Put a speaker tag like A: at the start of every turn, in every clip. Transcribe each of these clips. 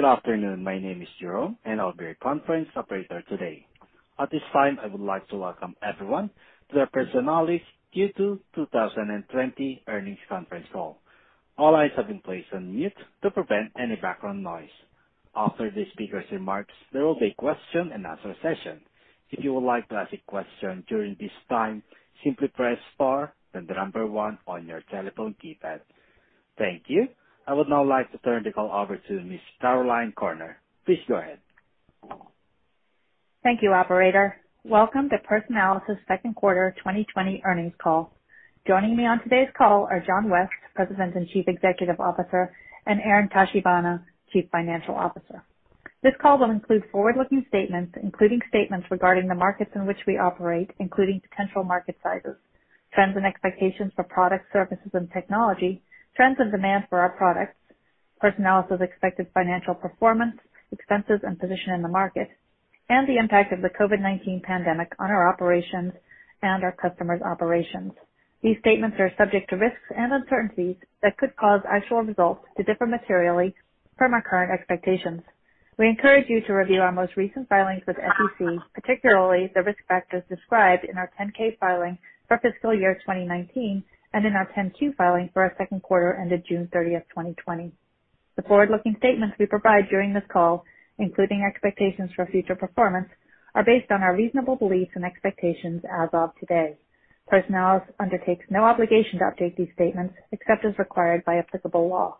A: Good afternoon. My name is Jerome, and I'll be your conference operator today. At this time, I would like to welcome everyone to the Personalis Q2 2020 earnings conference call. All lines have been placed on mute to prevent any background noise. After the speaker's remarks, there will be a question-and-answer session. If you would like to ask a question during this time, simply press star and the number one on your telephone keypad. Thank you. I would now like to turn the call over to Ms. Caroline Corner. Please go ahead.
B: Thank you, Operator. Welcome to Personalis' second quarter 2020 earnings call. Joining me on today's call are John West, President and Chief Executive Officer, and Aaron Tachibana, Chief Financial Officer. This call will include forward-looking statements, including statements regarding the markets in which we operate, including potential market sizes, trends and expectations for products, services, and technology, trends and demand for our products, Personalis' expected financial performance, expenses and position in the market, and the impact of the COVID-19 pandemic on our operations and our customers' operations. These statements are subject to risks and uncertainties that could cause actual results to differ materially from our current expectations. We encourage you to review our most recent filings with the SEC, particularly the risk factors described in our 10-K filing for fiscal year 2019 and in our 10-Q filing for our second quarter ended June 30, 2020. The forward-looking statements we provide during this call, including expectations for future performance, are based on our reasonable beliefs and expectations as of today. Personalis undertakes no obligation to update these statements except as required by applicable law.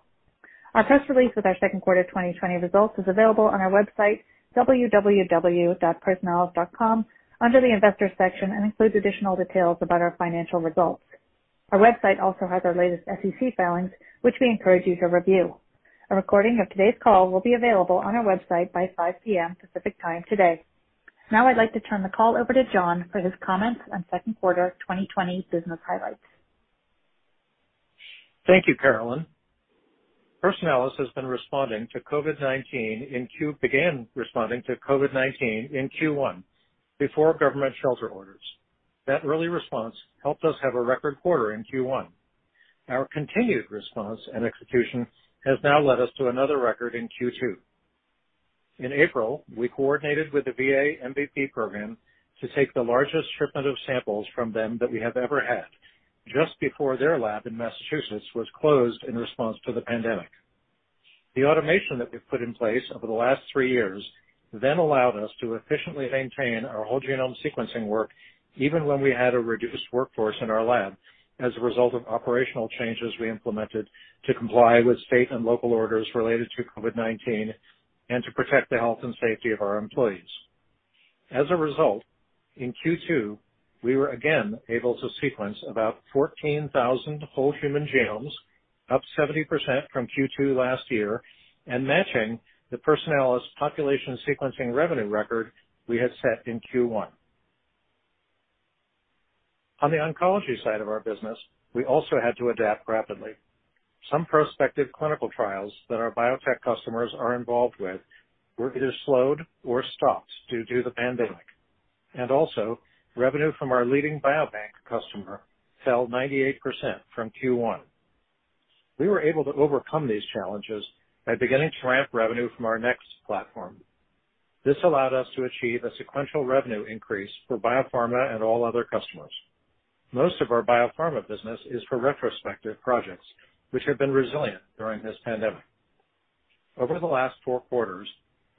B: Our press release with our second quarter 2020 results is available on our website, www.personalis.com, under the investor section, and includes additional details about our financial results. Our website also has our latest SEC filings, which we encourage you to review. A recording of today's call will be available on our website by 5:00 P.M. Pacific Time today. Now, I'd like to turn the call over to John for his comments on second quarter 2020 business highlights.
C: Thank you, Caroline. Personalis has been responding to COVID-19 in Q. Began responding to COVID-19 in Q1 before government shelter orders. That early response helped us have a record quarter in Q1. Our continued response and execution has now led us to another record in Q2. In April, we coordinated with the VA MVP program to take the largest shipment of samples from them that we have ever had, just before their lab in Massachusetts was closed in response to the pandemic. The automation that we've put in place over the last three years then allowed us to efficiently maintain our whole genome sequencing work, even when we had a reduced workforce in our lab, as a result of operational changes we implemented to comply with state and local orders related to COVID-19 and to protect the health and safety of our employees. As a result, in Q2, we were again able to sequence about 14,000 whole human genomes, up 70% from Q2 last year, and matching the Personalis population sequencing revenue record we had set in Q1. On the oncology side of our business, we also had to adapt rapidly. Some prospective clinical trials that our biotech customers are involved with were either slowed or stopped due to the pandemic. Also, revenue from our leading biobank customer fell 98% from Q1. We were able to overcome these challenges by beginning to ramp revenue from our NeXT Platform. This allowed us to achieve a sequential revenue increase for biopharma and all other customers. Most of our biopharma business is for retrospective projects, which have been resilient during this pandemic. Over the last four quarters,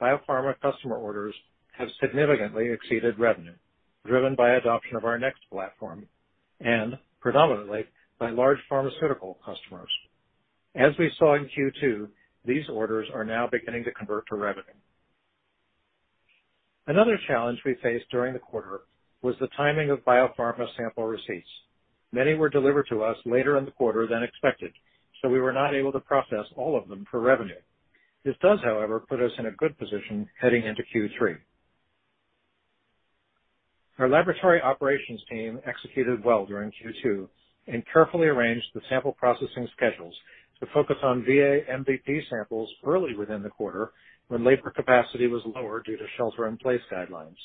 C: biopharma customer orders have significantly exceeded revenue, driven by adoption of our NeXT Platform and predominantly by large pharmaceutical customers. As we saw in Q2, these orders are now beginning to convert to revenue. Another challenge we faced during the quarter was the timing of biopharma sample receipts. Many were delivered to us later in the quarter than expected, so we were not able to process all of them for revenue. This does, however, put us in a good position heading into Q3. Our laboratory operations team executed well during Q2 and carefully arranged the sample processing schedules to focus on VA MVP samples early within the quarter when labor capacity was lower due to shelter-in-place guidelines.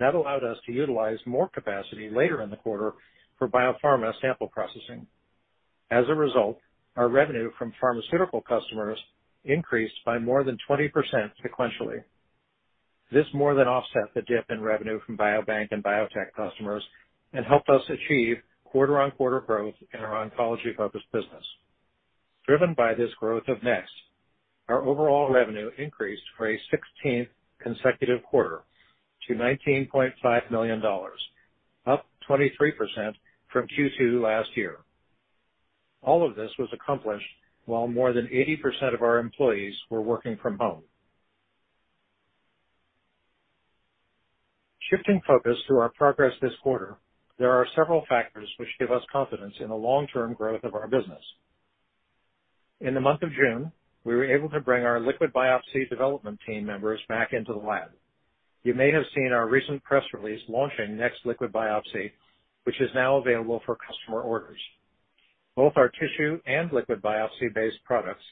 C: That allowed us to utilize more capacity later in the quarter for biopharma sample processing. As a result, our revenue from pharmaceutical customers increased by more than 20% sequentially. This more than offset the dip in revenue from biobank and biotech customers and helped us achieve quarter-on-quarter growth in our oncology-focused business. Driven by this growth of NeXT, our overall revenue increased for a 16th consecutive quarter to $19.5 million, up 23% from Q2 last year. All of this was accomplished while more than 80% of our employees were working from home. Shifting focus to our progress this quarter, there are several factors which give us confidence in the long-term growth of our business. In the month of June, we were able to bring our liquid biopsy development team members back into the lab. You may have seen our recent press release launching NeXT Liquid Biopsy, which is now available for customer orders. Both our tissue and liquid biopsy-based products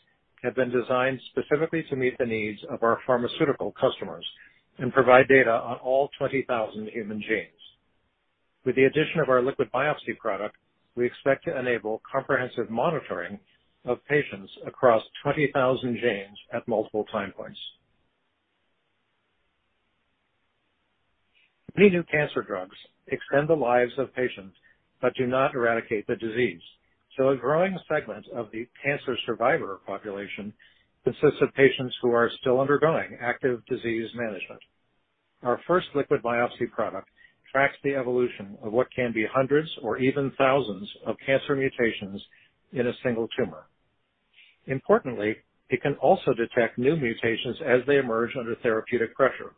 C: have been designed specifically to meet the needs of our pharmaceutical customers and provide data on all 20,000 human genes. With the addition of our liquid biopsy product, we expect to enable comprehensive monitoring of patients across 20,000 genes at multiple time points. Many new cancer drugs extend the lives of patients but do not eradicate the disease, so a growing segment of the cancer survivor population consists of patients who are still undergoing active disease management. Our first liquid biopsy product tracks the evolution of what can be hundreds or even thousands of cancer mutations in a single tumor. Importantly, it can also detect new mutations as they emerge under therapeutic pressure.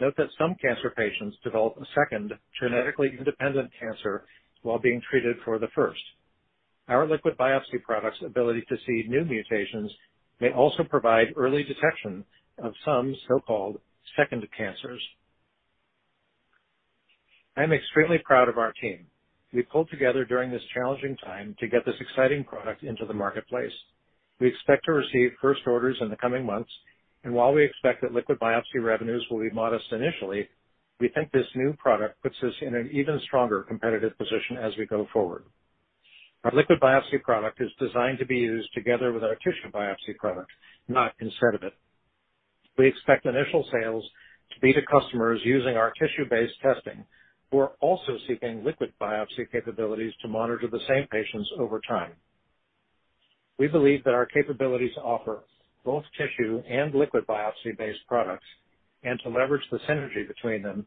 C: Note that some cancer patients develop a second genetically independent cancer while being treated for the first. Our liquid biopsy product's ability to see new mutations may also provide early detection of some so-called second cancers. I'm extremely proud of our team. We pulled together during this challenging time to get this exciting product into the marketplace. We expect to receive first orders in the coming months, and while we expect that liquid biopsy revenues will be modest initially, we think this new product puts us in an even stronger competitive position as we go forward. Our liquid biopsy product is designed to be used together with our tissue biopsy product, not instead of it. We expect initial sales to be to customers using our tissue-based testing. We're also seeking liquid biopsy capabilities to monitor the same patients over time. We believe that our capabilities to offer both tissue and liquid biopsy-based products and to leverage the synergy between them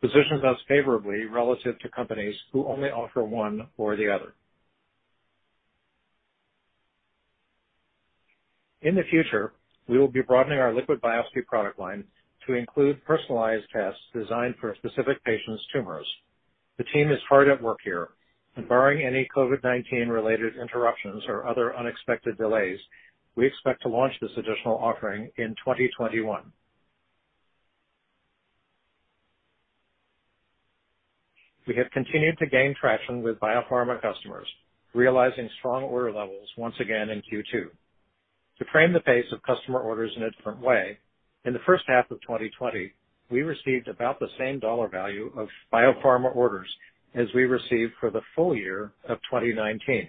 C: positions us favorably relative to companies who only offer one or the other. In the future, we will be broadening our liquid biopsy product line to include personalized tests designed for specific patients' tumors. The team is hard at work here, and barring any COVID-19-related interruptions or other unexpected delays, we expect to launch this additional offering in 2021. We have continued to gain traction with biopharma customers, realizing strong order levels once again in Q2. To frame the pace of customer orders in a different way, in the first half of 2020, we received about the same dollar value of biopharma orders as we received for the full year of 2019.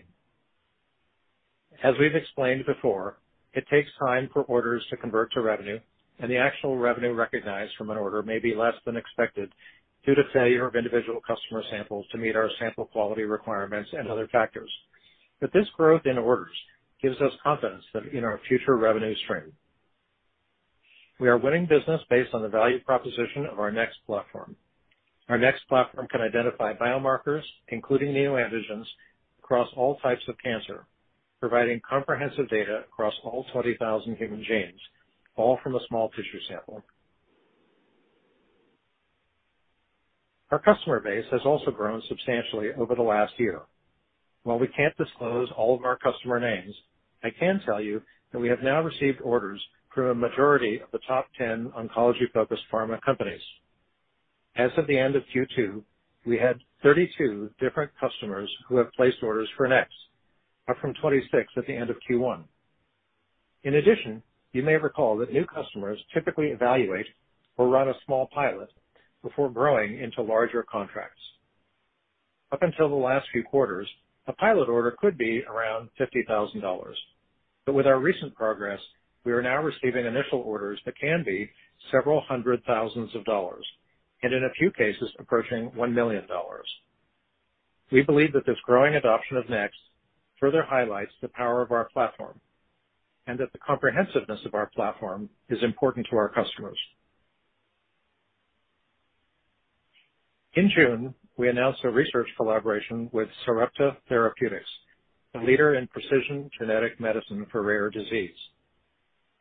C: As we've explained before, it takes time for orders to convert to revenue, and the actual revenue recognized from an order may be less than expected due to failure of individual customer samples to meet our sample quality requirements and other factors. This growth in orders gives us confidence in our future revenue stream. We are winning business based on the value proposition of our NeXT Platform. Our NeXT Platform can identify biomarkers, including neoantigens, across all types of cancer, providing comprehensive data across all 20,000 human genes, all from a small tissue sample. Our customer base has also grown substantially over the last year. While we can't disclose all of our customer names, I can tell you that we have now received orders from a majority of the top 10 oncology-focused pharma companies. As of the end of Q2, we had 32 different customers who have placed orders for NeXT, up from 26 at the end of Q1. In addition, you may recall that new customers typically evaluate or run a small pilot before growing into larger contracts. Up until the last few quarters, a pilot order could be around $50,000. With our recent progress, we are now receiving initial orders that can be several hundred thousand dollars and, in a few cases, approaching $1 million. We believe that this growing adoption of NeXT further highlights the power of our platform and that the comprehensiveness of our platform is important to our customers. In June, we announced a research collaboration with Sarepta Therapeutics, a leader in precision genetic medicine for rare disease.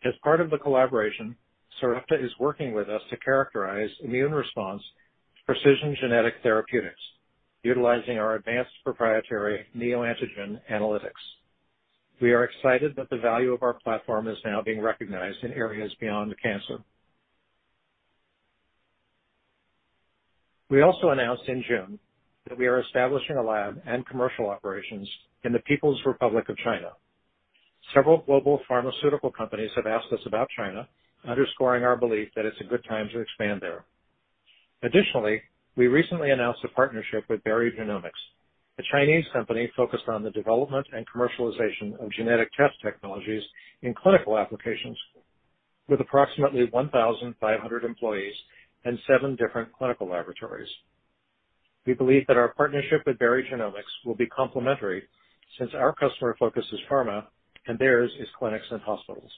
C: As part of the collaboration, Sarepta is working with us to characterize immune response to precision genetic therapeutics, utilizing our advanced proprietary neoantigens analytics. We are excited that the value of our platform is now being recognized in areas beyond cancer. We also announced in June that we are establishing a lab and commercial operations in the People's Republic of China. Several global pharmaceutical companies have asked us about China, underscoring our belief that it's a good time to expand there. Additionally, we recently announced a partnership with Berry Genomics, a Chinese company focused on the development and commercialization of genetic test technologies in clinical applications with approximately 1,500 employees and seven different clinical laboratories. We believe that our partnership with Berry Genomics will be complementary since our customer focus is pharma and theirs is clinics and hospitals.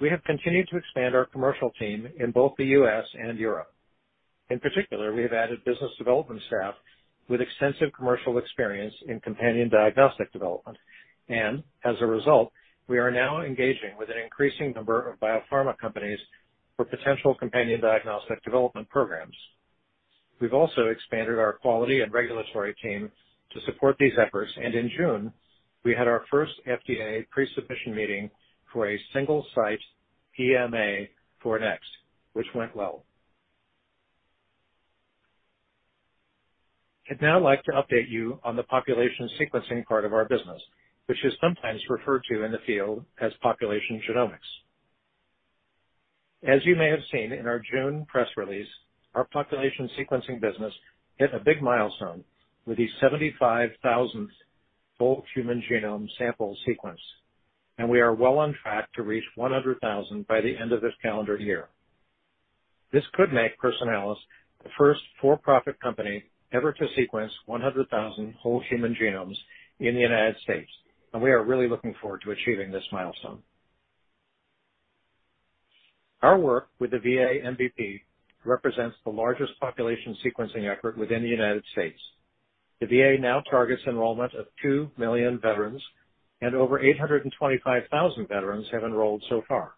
C: We have continued to expand our commercial team in both the U.S. and Europe. In particular, we have added business development staff with extensive commercial experience in companion diagnostic development. As a result, we are now engaging with an increasing number of biopharma companies for potential companion diagnostic development programs. We have also expanded our quality and regulatory team to support these efforts. In June, we had our first FDA pre-submission meeting for a single-site EMA for NeXT, which went well. I would now like to update you on the population sequencing part of our business, which is sometimes referred to in the field as population genomics. As you may have seen in our June press release, our population sequencing business hit a big milestone with the 75,000 whole human genome sample sequenced, and we are well on track to reach 100,000 by the end of this calendar year. This could make Personalis the first for-profit company ever to sequence 100,000 whole human genomes in the United States, and we are really looking forward to achieving this milestone. Our work with the VA MVP represents the largest population sequencing effort within the United States. The VA now targets enrollment of two million veterans, and over 825,000 veterans have enrolled so far.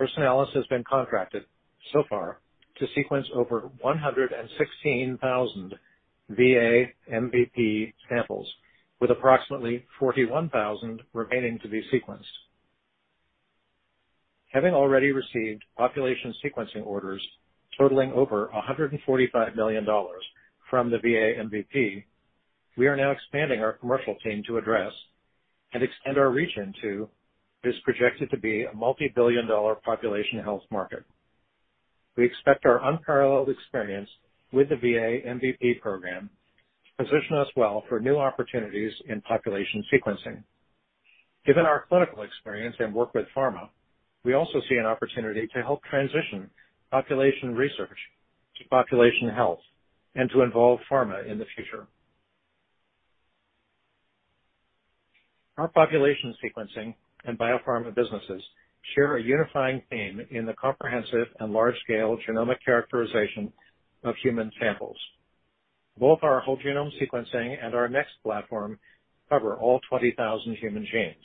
C: Personalis has been contracted so far to sequence over 116,000 VA MVP samples, with approximately 41,000 remaining to be sequenced. Having already received population sequencing orders totaling over $145 million from the VA MVP, we are now expanding our commercial team to address and extend our reach into what is projected to be a multi-billion-dollar population health market. We expect our unparalleled experience with the VA MVP program to position us well for new opportunities in population sequencing. Given our clinical experience and work with pharma, we also see an opportunity to help transition population research to population health and to involve pharma in the future. Our population sequencing and biopharma businesses share a unifying theme in the comprehensive and large-scale genomic characterization of human samples. Both our whole genome sequencing and our NeXT Platform cover all 20,000 human genes.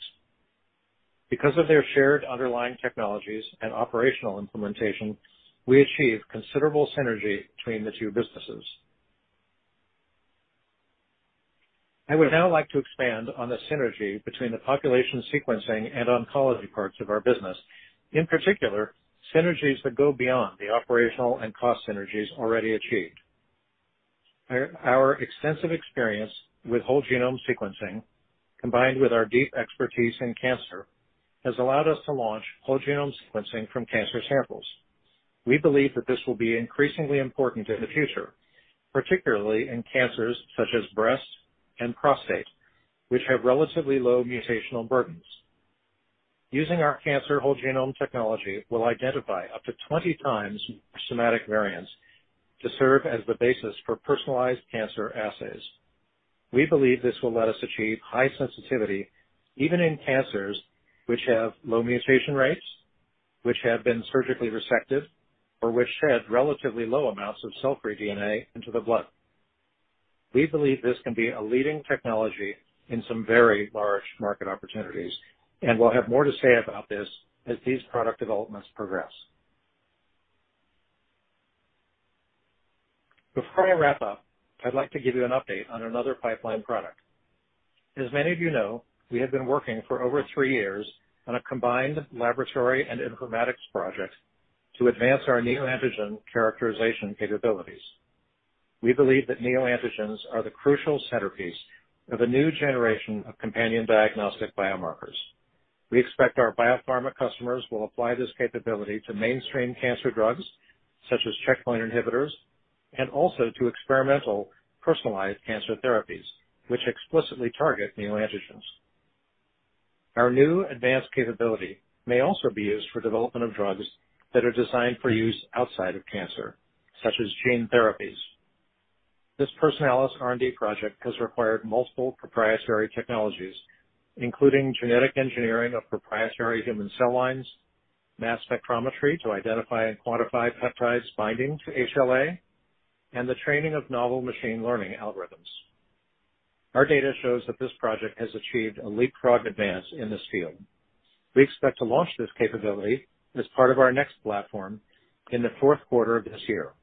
C: Because of their shared underlying technologies and operational implementation, we achieve considerable synergy between the two businesses. I would now like to expand on the synergy between the population sequencing and oncology parts of our business, in particular synergies that go beyond the operational and cost synergies already achieved. Our extensive experience with whole genome sequencing, combined with our deep expertise in cancer, has allowed us to launch whole genome sequencing from cancer samples. We believe that this will be increasingly important in the future, particularly in cancers such as breast and prostate, which have relatively low mutational burdens. Using our cancer whole genome technology will identify up to 20 times more somatic variants to serve as the basis for personalized cancer assays. We believe this will let us achieve high sensitivity even in cancers which have low mutation rates, which have been surgically resected, or which shed relatively low amounts of cell-free DNA into the blood. We believe this can be a leading technology in some very large market opportunities, and we will have more to say about this as these product developments progress. Before I wrap up, I'd like to give you an update on another pipeline product. As many of you know, we have been working for over three years on a combined laboratory and informatics project to advance our neoantigens characterization capabilities. We believe that neoantigens are the crucial centerpiece of a new generation of companion diagnostic biomarkers. We expect our biopharma customers will apply this capability to mainstream cancer drugs such as checkpoint inhibitors and also to experimental personalized cancer therapies, which explicitly target neoantigens. Our new advanced capability may also be used for development of drugs that are designed for use outside of cancer, such as gene therapies. This Personalis R&D project has required multiple proprietary technologies, including genetic engineering of proprietary human cell lines, mass spectrometry to identify and quantify peptides binding to HLA, and the training of novel machine learning algorithms. Our data shows that this project has achieved a leapfrog advance in this field. We expect to launch this capability as part of our NeXT Platform in the fourth quarter of this year.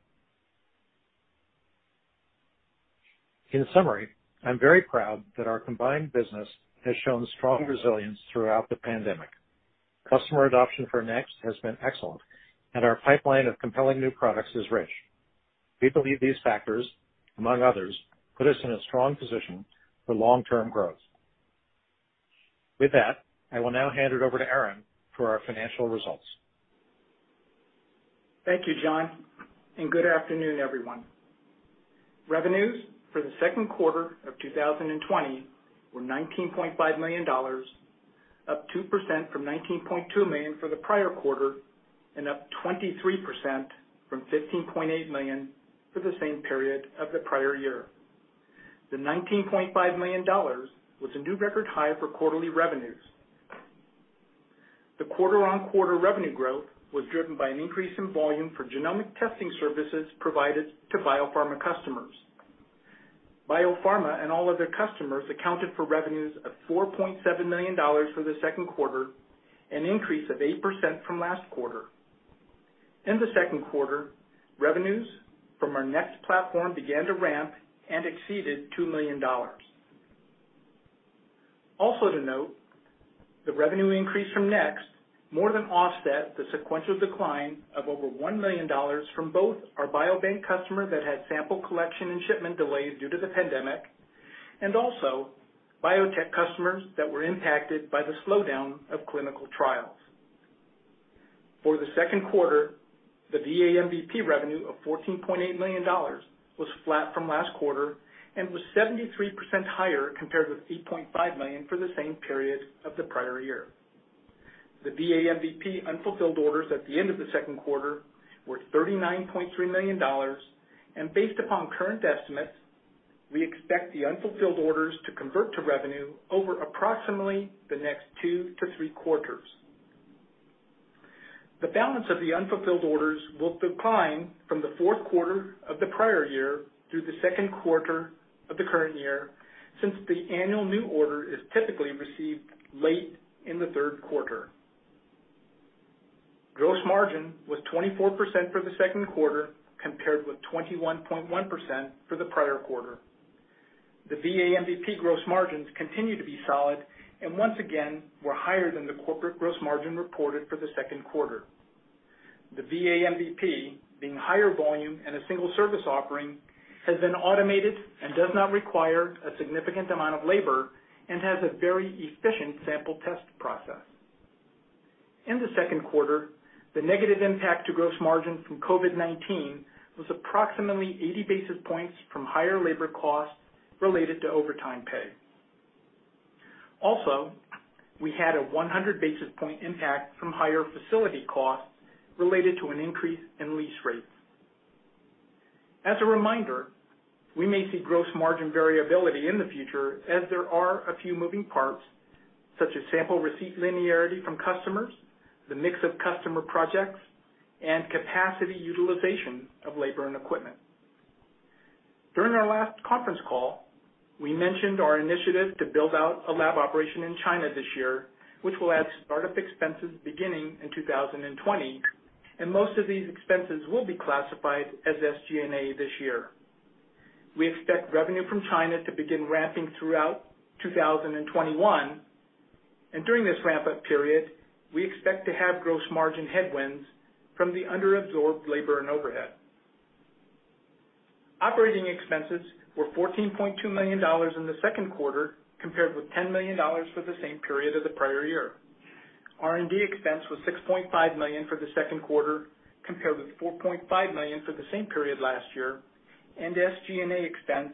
C: In summary, I'm very proud that our combined business has shown strong resilience throughout the pandemic. Customer adoption for NeXT has been excellent, and our pipeline of compelling new products is rich. We believe these factors, among others, put us in a strong position for long-term growth. With that, I will now hand it over to Aaron for our financial results.
D: Thank you, John, and good afternoon, everyone. Revenues for the second quarter of 2020 were $19.5 million, up 2% from $19.2 million for the prior quarter and up 23% from $15.8 million for the same period of the prior year. The $19.5 million was a new record high for quarterly revenues. The quarter-on-quarter revenue growth was driven by an increase in volume for genomic testing services provided to biopharma customers. Biopharma and all other customers accounted for revenues of $4.7 million for the second quarter, an increase of 8% from last quarter. In the second quarter, revenues from our NeXT Platform began to ramp and exceeded $2 million. Also to note, the revenue increase from NeXT more than offset the sequential decline of over $1 million from both our biobank customer that had sample collection and shipment delays due to the pandemic and also biotech customers that were impacted by the slowdown of clinical trials. For the second quarter, the VA MVP revenue of $14.8 million was flat from last quarter and was 73% higher compared with $8.5 million for the same period of the prior year. The VA MVP unfulfilled orders at the end of the second quarter were $39.3 million, and based upon current estimates, we expect the unfulfilled orders to convert to revenue over approximately the next two to three quarters. The balance of the unfulfilled orders will decline from the fourth quarter of the prior year through the second quarter of the current year since the annual new order is typically received late in the third quarter. Gross margin was 24% for the second quarter compared with 21.1% for the prior quarter. The VA MVP gross margins continue to be solid and once again were higher than the corporate gross margin reported for the second quarter. The VA MVP, being higher volume and a single service offering, has been automated and does not require a significant amount of labor and has a very efficient sample test process. In the second quarter, the negative impact to gross margin from COVID-19 was approximately 80 basis points from higher labor costs related to overtime pay. Also, we had a 100 basis point impact from higher facility costs related to an increase in lease rates. As a reminder, we may see gross margin variability in the future as there are a few moving parts such as sample receipt linearity from customers, the mix of customer projects, and capacity utilization of labor and equipment. During our last conference call, we mentioned our initiative to build out a lab operation in China this year, which will add startup expenses beginning in 2020, and most of these expenses will be classified as SG&A this year. We expect revenue from China to begin ramping throughout 2021, and during this ramp-up period, we expect to have gross margin headwinds from the underabsorbed labor and overhead. Operating expenses were $14.2 million in the second quarter compared with $10 million for the same period of the prior year. R&D expense was $6.5 million for the second quarter compared with $4.5 million for the same period last year, and SG&A expense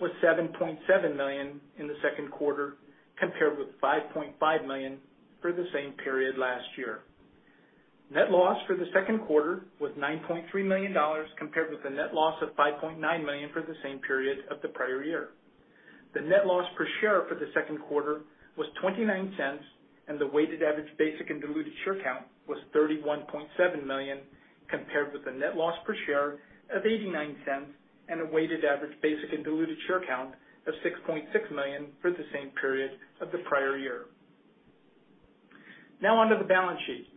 D: was $7.7 million in the second quarter compared with $5.5 million for the same period last year. Net loss for the second quarter was $9.3 million compared with the net loss of $5.9 million for the same period of the prior year. The net loss per share for the second quarter was $0.29, and the weighted average basic and diluted share count was 31.7 million compared with the net loss per share of $0.89 and a weighted average basic and diluted share count of 6.6 million for the same period of the prior year. Now onto the balance sheet.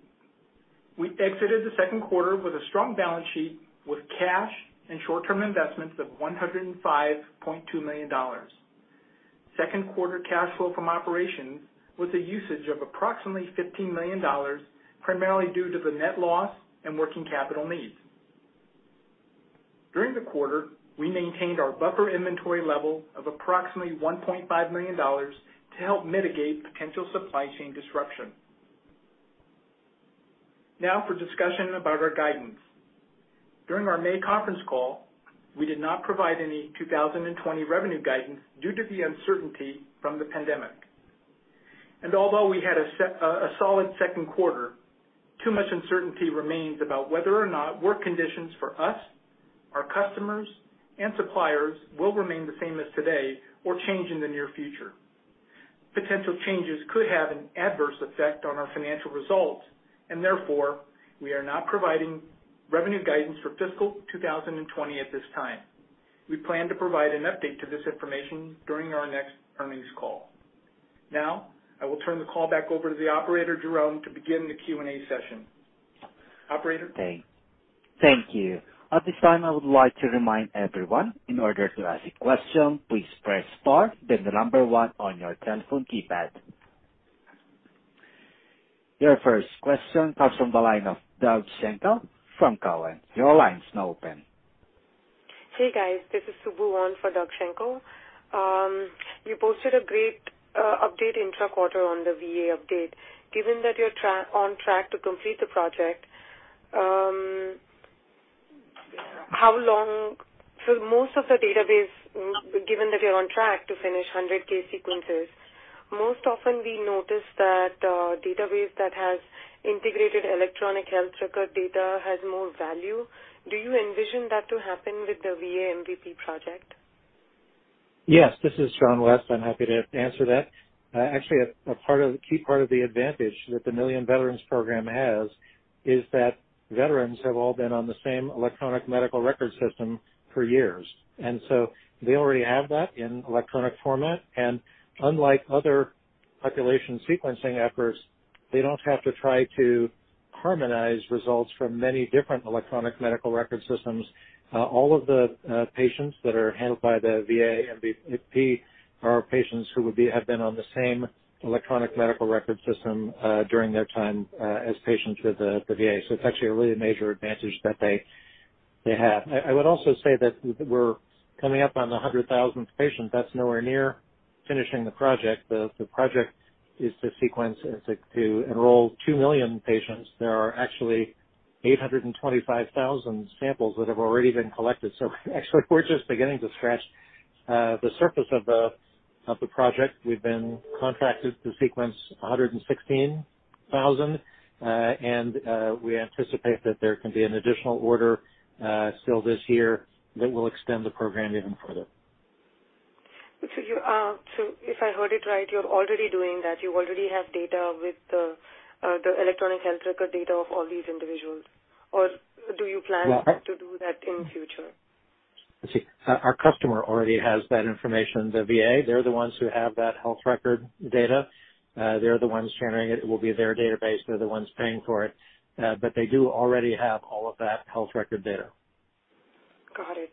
D: We exited the second quarter with a strong balance sheet with cash and short-term investments of $105.2 million. Second quarter cash flow from operations was a usage of approximately $15 million, primarily due to the net loss and working capital needs. During the quarter, we maintained our buffer inventory level of approximately $1.5 million to help mitigate potential supply chain disruption. Now for discussion about our guidance. During our May conference call, we did not provide any 2020 revenue guidance due to the uncertainty from the pandemic. Although we had a solid second quarter, too much uncertainty remains about whether or not work conditions for us, our customers, and suppliers will remain the same as today or change in the near future. Potential changes could have an adverse effect on our financial results, and therefore, we are not providing revenue guidance for fiscal 2020 at this time. We plan to provide an update to this information during our next earnings call. Now, I will turn the call back over to the operator, Jerome, to begin the Q&A session. Operator.
A: Thank you. At this time, I would like to remind everyone in order to ask a question, please press star, then the number one on your telephone keypad. Your first question comes from the line of Doug Schenkel from Cowen. Your line is now open.
E: Hey, guys. This is Subu Wan for Doug Schenkel. You posted a great update intra-quarter on the VA update. Given that you're on track to complete the project, how long? Most of the database, given that you're on track to finish 100,000 sequences, most often we notice that a database that has integrated electronic health record data has more value. Do you envision that to happen with the VA MVP project?
C: Yes. This is John West. I'm happy to answer that. Actually, a key part of the advantage that the Million Veterans Program has is that veterans have all been on the same electronic medical record system for years. They already have that in electronic format, and unlike other population sequencing efforts, they don't have to try to harmonize results from many different electronic medical record systems. All of the patients that are handled by the VA MVP are patients who have been on the same electronic medical record system during their time as patients with the VA. It's actually a really major advantage that they have. I would also say that we're coming up on the 100,000th patient. That's nowhere near finishing the project. The project is to sequence and to enroll 2 million patients. There are actually 825,000 samples that have already been collected, so actually, we're just beginning to scratch the surface of the project. We've been contracted to sequence 116,000, and we anticipate that there can be an additional order still this year that will extend the program even further.
E: If I heard it right, you're already doing that. You already have data with the electronic health record data of all these individuals. Or do you plan to do that in the future?
C: Let's see. Our customer already has that information. The VA, they're the ones who have that health record data. They're the ones sharing it. It will be their database. They're the ones paying for it, but they do already have all of that health record data.
E: Got it.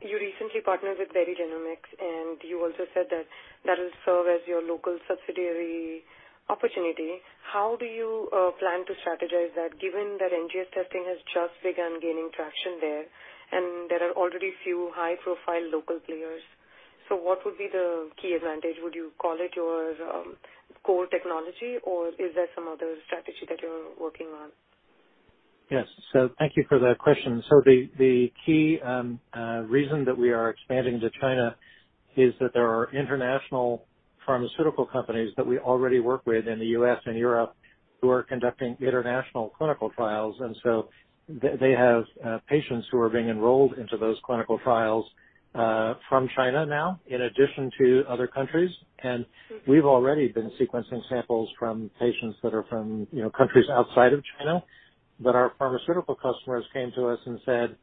E: You recently partnered with Berry Genomics, and you also said that that will serve as your local subsidiary opportunity. How do you plan to strategize that given that NGS testing has just begun gaining traction there, and there are already few high-profile local players? What would be the key advantage? Would you call it your core technology, or is there some other strategy that you're working on?
C: Yes. Thank you for that question. The key reason that we are expanding into China is that there are international pharmaceutical companies that we already work with in the U.S. and Europe who are conducting international clinical trials, and they have patients who are being enrolled into those clinical trials from China now in addition to other countries. We have already been sequencing samples from patients that are from countries outside of China, but our pharmaceutical customers came to us and said,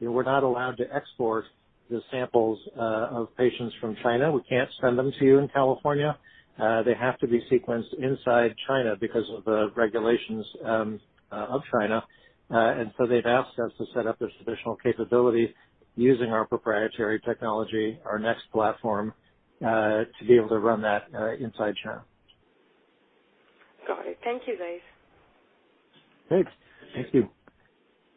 C: "We are not allowed to export the samples of patients from China. We cannot send them to you in California. They have to be sequenced inside China because of the regulations of China." They have asked us to set up this additional capability using our proprietary technology, our NeXT Platform, to be able to run that inside China.
E: Got it. Thank you, guys.
C: Thanks. Thank you.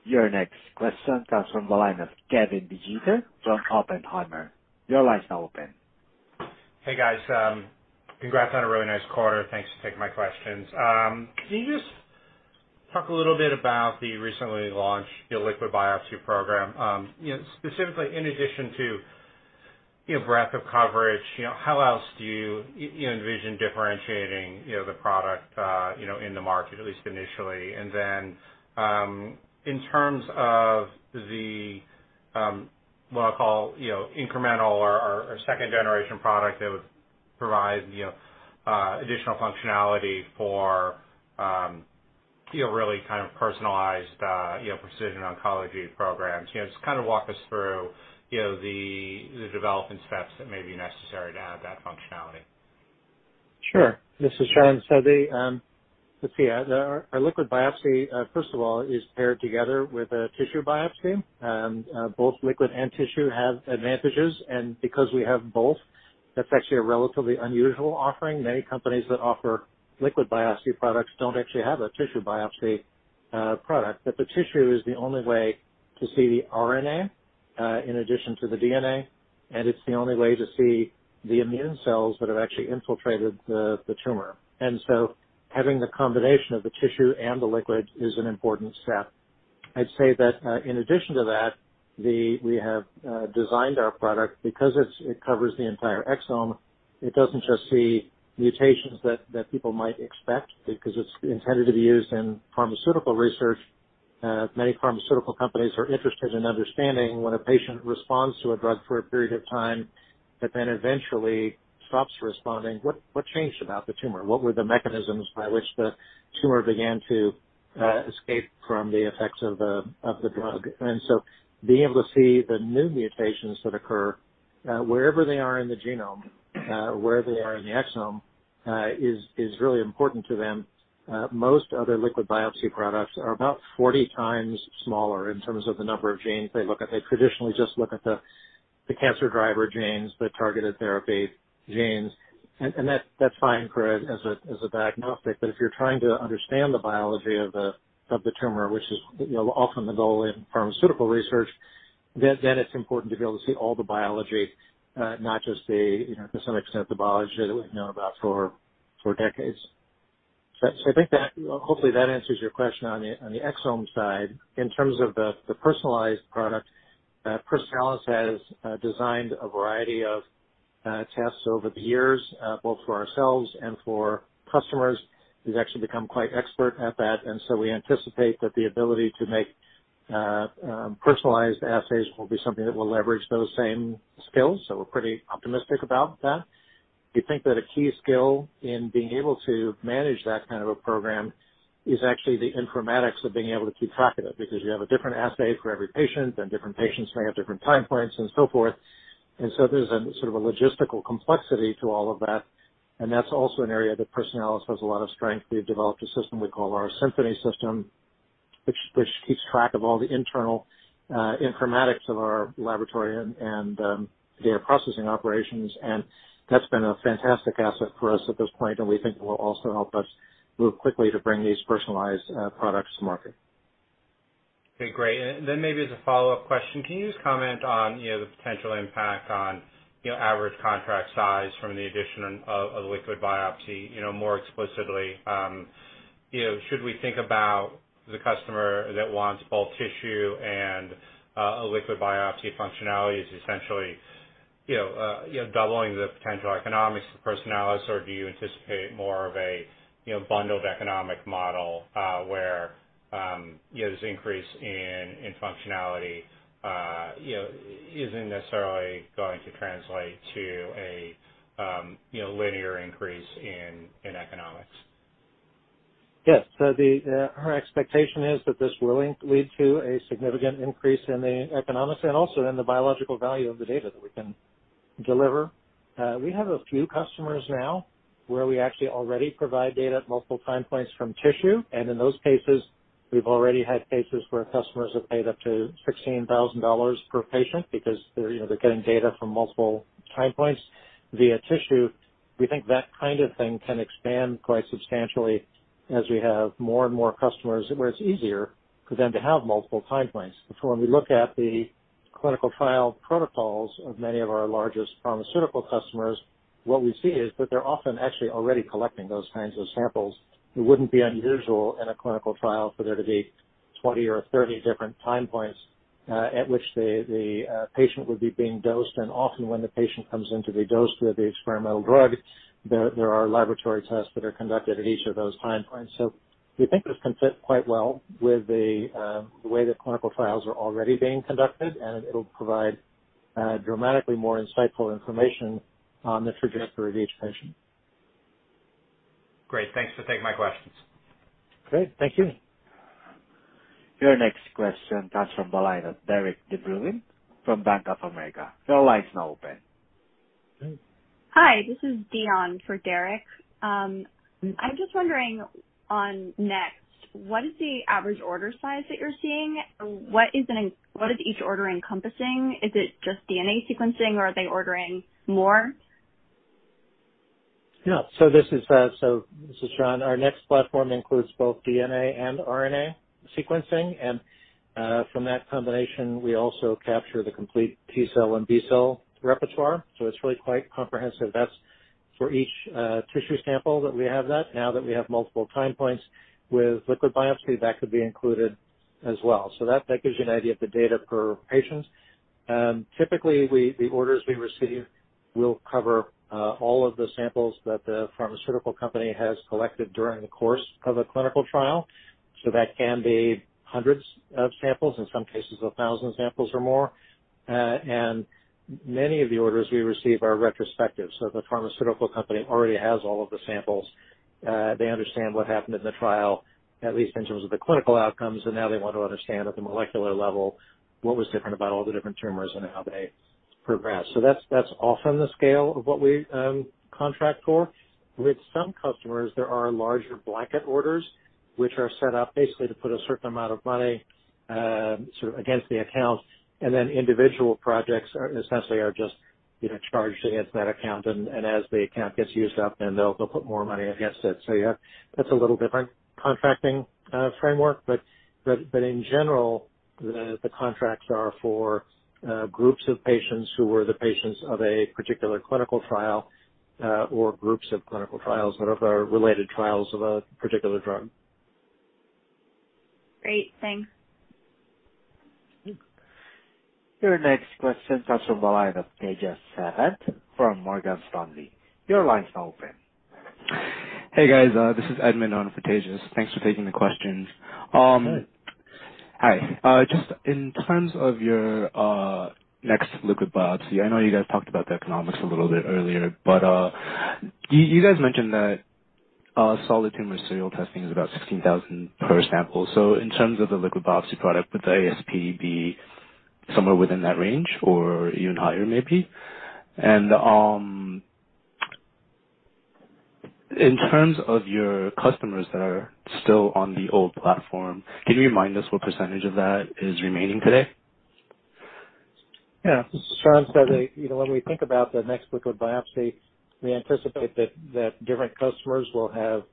A: Your next question comes from the line of Kevin DeGeeter, John Oppenheimer. Your line is now open.
F: Hey, guys. Congrats on a really nice quarter. Thanks for taking my questions. Can you just talk a little bit about the recently launched liquid biopsy program, specifically in addition to breadth of coverage? How else do you envision differentiating the product in the market, at least initially? In terms of the what I'll call incremental or second-generation product that would provide additional functionality for really kind of personalized precision oncology programs, just kind of walk us through the development steps that may be necessary to add that functionality.
C: Sure. This is John. Let's see. Our liquid biopsy, first of all, is paired together with a tissue biopsy. Both liquid and tissue have advantages, and because we have both, that's actually a relatively unusual offering. Many companies that offer liquid biopsy products don't actually have a tissue biopsy product, but the tissue is the only way to see the RNA in addition to the DNA, and it's the only way to see the immune cells that have actually infiltrated the tumor. Having the combination of the tissue and the liquid is an important step. I'd say that in addition to that, we have designed our product because it covers the entire exome. It doesn't just see mutations that people might expect because it's intended to be used in pharmaceutical research. Many pharmaceutical companies are interested in understanding when a patient responds to a drug for a period of time that then eventually stops responding. What changed about the tumor? What were the mechanisms by which the tumor began to escape from the effects of the drug? Being able to see the new mutations that occur wherever they are in the genome, where they are in the exome, is really important to them. Most other liquid biopsy products are about 40 times smaller in terms of the number of genes they look at. They traditionally just look at the cancer driver genes, the targeted therapy genes, and that's fine for it as a diagnostic, but if you're trying to understand the biology of the tumor, which is often the goal in pharmaceutical research, then it's important to be able to see all the biology, not just to some extent the biology that we've known about for decades. I think that hopefully that answers your question on the exome side. In terms of the personalized product, Personalis has designed a variety of tests over the years, both for ourselves and for customers. We've actually become quite expert at that, and we anticipate that the ability to make personalized assays will be something that will leverage those same skills, so we're pretty optimistic about that. We think that a key skill in being able to manage that kind of a program is actually the informatics of being able to keep track of it because you have a different assay for every patient, and different patients may have different time points and so forth. There is sort of a logistical complexity to all of that, and that's also an area that Personalis has a lot of strength. We've developed a system we call our Symphony System, which keeps track of all the internal informatics of our laboratory and data processing operations, and that's been a fantastic asset for us at this point, and we think it will also help us move quickly to bring these personalized products to market.
F: Okay. Great. Maybe as a follow-up question, can you just comment on the potential impact on average contract size from the addition of liquid biopsy more explicitly? Should we think about the customer that wants both tissue and a liquid biopsy functionality as essentially doubling the potential economics of Personalis, or do you anticipate more of a bundled economic model where this increase in functionality is not necessarily going to translate to a linear increase in economics?
C: Yes. Our expectation is that this will lead to a significant increase in the economics and also in the biological value of the data that we can deliver. We have a few customers now where we actually already provide data at multiple time points from tissue, and in those cases, we've already had cases where customers have paid up to $16,000 per patient because they're getting data from multiple time points via tissue. We think that kind of thing can expand quite substantially as we have more and more customers where it's easier for them to have multiple time points. Before, when we look at the clinical trial protocols of many of our largest pharmaceutical customers, what we see is that they're often actually already collecting those kinds of samples. It wouldn't be unusual in a clinical trial for there to be 20 or 30 different time points at which the patient would be being dosed, and often when the patient comes in to be dosed with the experimental drug, there are laboratory tests that are conducted at each of those time points. We think this can fit quite well with the way that clinical trials are already being conducted, and it'll provide dramatically more insightful information on the trajectory of each patient.
F: Great. Thanks for taking my questions.
C: Great. Thank you.
A: Your next question comes from the line of Derek DeBruin from Bank of America. Your line is now open.
G: Hi. This is Dion for Derek. I'm just wondering on NeXT, what is the average order size that you're seeing? What is each order encompassing? Is it just DNA sequencing, or are they ordering more?
C: Yeah. This is John. Our NeXT Platform includes both DNA and RNA sequencing, and from that combination, we also capture the complete T-cell and B-cell repertoire, so it's really quite comprehensive. That's for each tissue sample that we have that. Now that we have multiple time points with liquid biopsy, that could be included as well. That gives you an idea of the data per patient. Typically, the orders we receive will cover all of the samples that the pharmaceutical company has collected during the course of a clinical trial, so that can be hundreds of samples, in some cases 1,000 samples or more. Many of the orders we receive are retrospective, so the pharmaceutical company already has all of the samples. They understand what happened in the trial, at least in terms of the clinical outcomes, and now they want to understand at the molecular level what was different about all the different tumors and how they progressed. That is often the scale of what we contract for. With some customers, there are larger blanket orders which are set up basically to put a certain amount of money sort of against the account, and then individual projects essentially are just charged against that account, and as the account gets used up, they will put more money against it. That is a little different contracting framework, but in general, the contracts are for groups of patients who were the patients of a particular clinical trial or groups of clinical trials, whatever related trials of a particular drug.
G: Great. Thanks.
A: Your next question comes from the line of Tejas Sevant from Morgan Stanley. Your line is now open.
H: Hey, guys. This is Edmund on for Tejas. Thanks for taking the questions. Hi. Just in terms of your NeXT Liquid Biopsy, I know you guys talked about the economics a little bit earlier, but you guys mentioned that solid tumor serial testing is about $16,000 per sample. In terms of the liquid biopsy product, would the ASP be somewhere within that range or even higher, maybe? In terms of your customers that are still on the old platform, can you remind us what percentage of that is remaining today?
C: Yeah. This is John. When we think about the NeXT Liquid Biopsy, we anticipate that different customers will have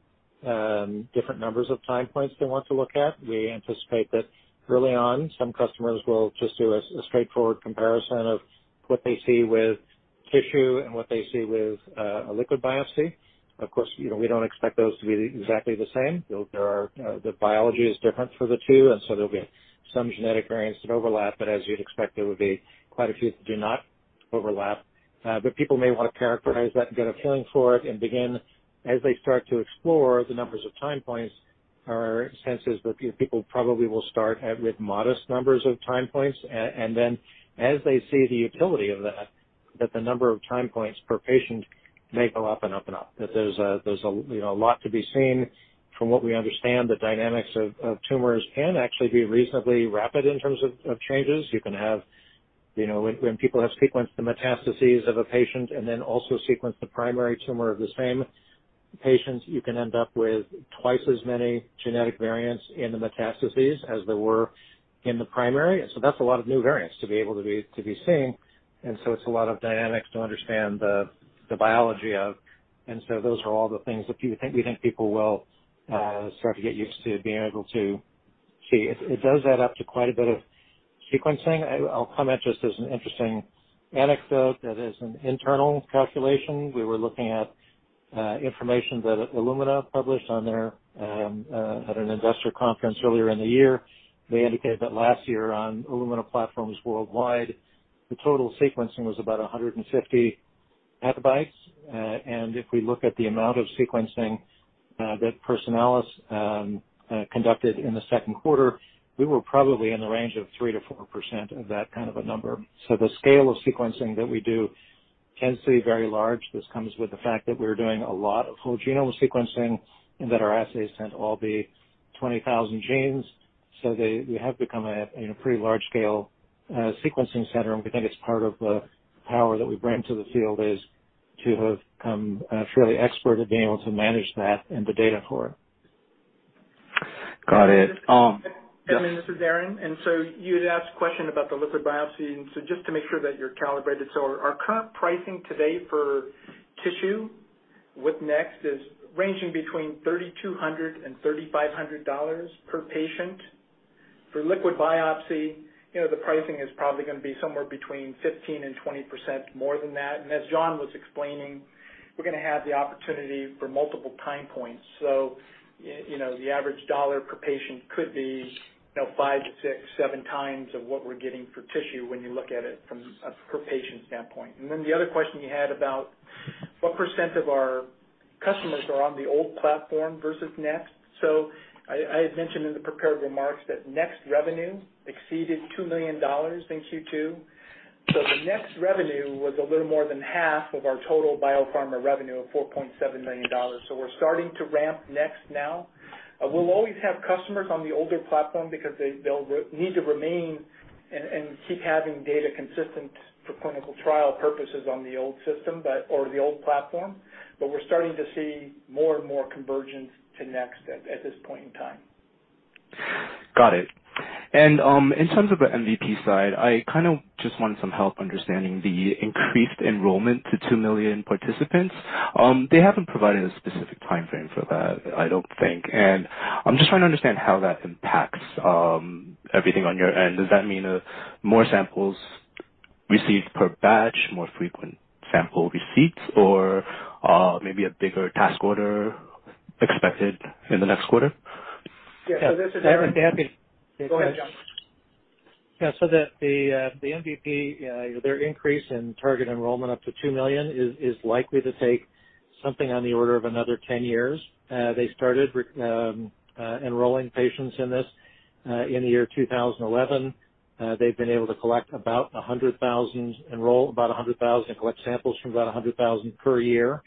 C: different numbers of time points they want to look at. We anticipate that early on, some customers will just do a straightforward comparison of what they see with tissue and what they see with a liquid biopsy. Of course, we do not expect those to be exactly the same. The biology is different for the two, and so there will be some genetic variants that overlap, but as you would expect, there would be quite a few that do not overlap. People may want to characterize that and get a feeling for it and begin as they start to explore the numbers of time points or senses that people probably will start with modest numbers of time points, and then as they see the utility of that, the number of time points per patient may go up and up and up. There is a lot to be seen. From what we understand, the dynamics of tumors can actually be reasonably rapid in terms of changes. You can have when people have sequenced the metastases of a patient and then also sequenced the primary tumor of the same patient, you can end up with twice as many genetic variants in the metastases as there were in the primary. That's a lot of new variants to be able to be seeing, and it's a lot of dynamics to understand the biology of. Those are all the things that we think people will start to get used to being able to see. It does add up to quite a bit of sequencing. I'll comment just as an interesting anecdote that as an internal calculation, we were looking at information that Illumina published on their at an investor conference earlier in the year. They indicated that last year on Illumina platforms worldwide, the total sequencing was about 150 PB, and if we look at the amount of sequencing that Personalis conducted in the second quarter, we were probably in the range of 3%-4% of that kind of a number. The scale of sequencing that we do tends to be very large. This comes with the fact that we're doing a lot of whole genome sequencing and that our assays tend to all be 20,000 genes, so we have become a pretty large-scale sequencing center, and we think it's part of the power that we bring to the field is to have become fairly expert at being able to manage that and the data for it.
H: Got it.
D: Edmund, this is Aaron. You had asked a question about the liquid biopsy, and just to make sure that you're calibrated, our current pricing today for tissue with NeXT is ranging between $3,200-$3,500 per patient. For liquid biopsy, the pricing is probably going to be somewhere between 15%-20% more than that. As John was explaining, we're going to have the opportunity for multiple time points, so the average dollar per patient could be five to six, seven times of what we're getting for tissue when you look at it from a per-patient standpoint. The other question you had about what percent of our customers are on the old platform versus NeXT. I had mentioned in the prepared remarks that NeXT revenue exceeded $2 million in Q2, so the NeXT revenue was a little more than half of our total biopharma revenue of $4.7 million. We're starting to ramp NeXT now. We'll always have customers on the older platform because they'll need to remain and keep having data consistent for clinical trial purposes on the old system or the old platform, but we're starting to see more and more convergence to NeXT at this point in time.
H: Got it. In terms of the MVP side, I kind of just wanted some help understanding the increased enrollment to 2 million participants. They have not provided a specific time frame for that, I do not think, and I am just trying to understand how that impacts everything on your end. Does that mean more samples received per batch, more frequent sample receipts, or maybe a bigger task order expected in the next quarter?
D: Yeah. This is Aaron. Go ahead, John.
C: Yeah. The MVP, their increase in target enrollment up to 2 million is likely to take something on the order of another 10 years. They started enrolling patients in this in the year 2011. They've been able to collect about 100,000, enroll about 100,000, and collect samples from about 100,000 per year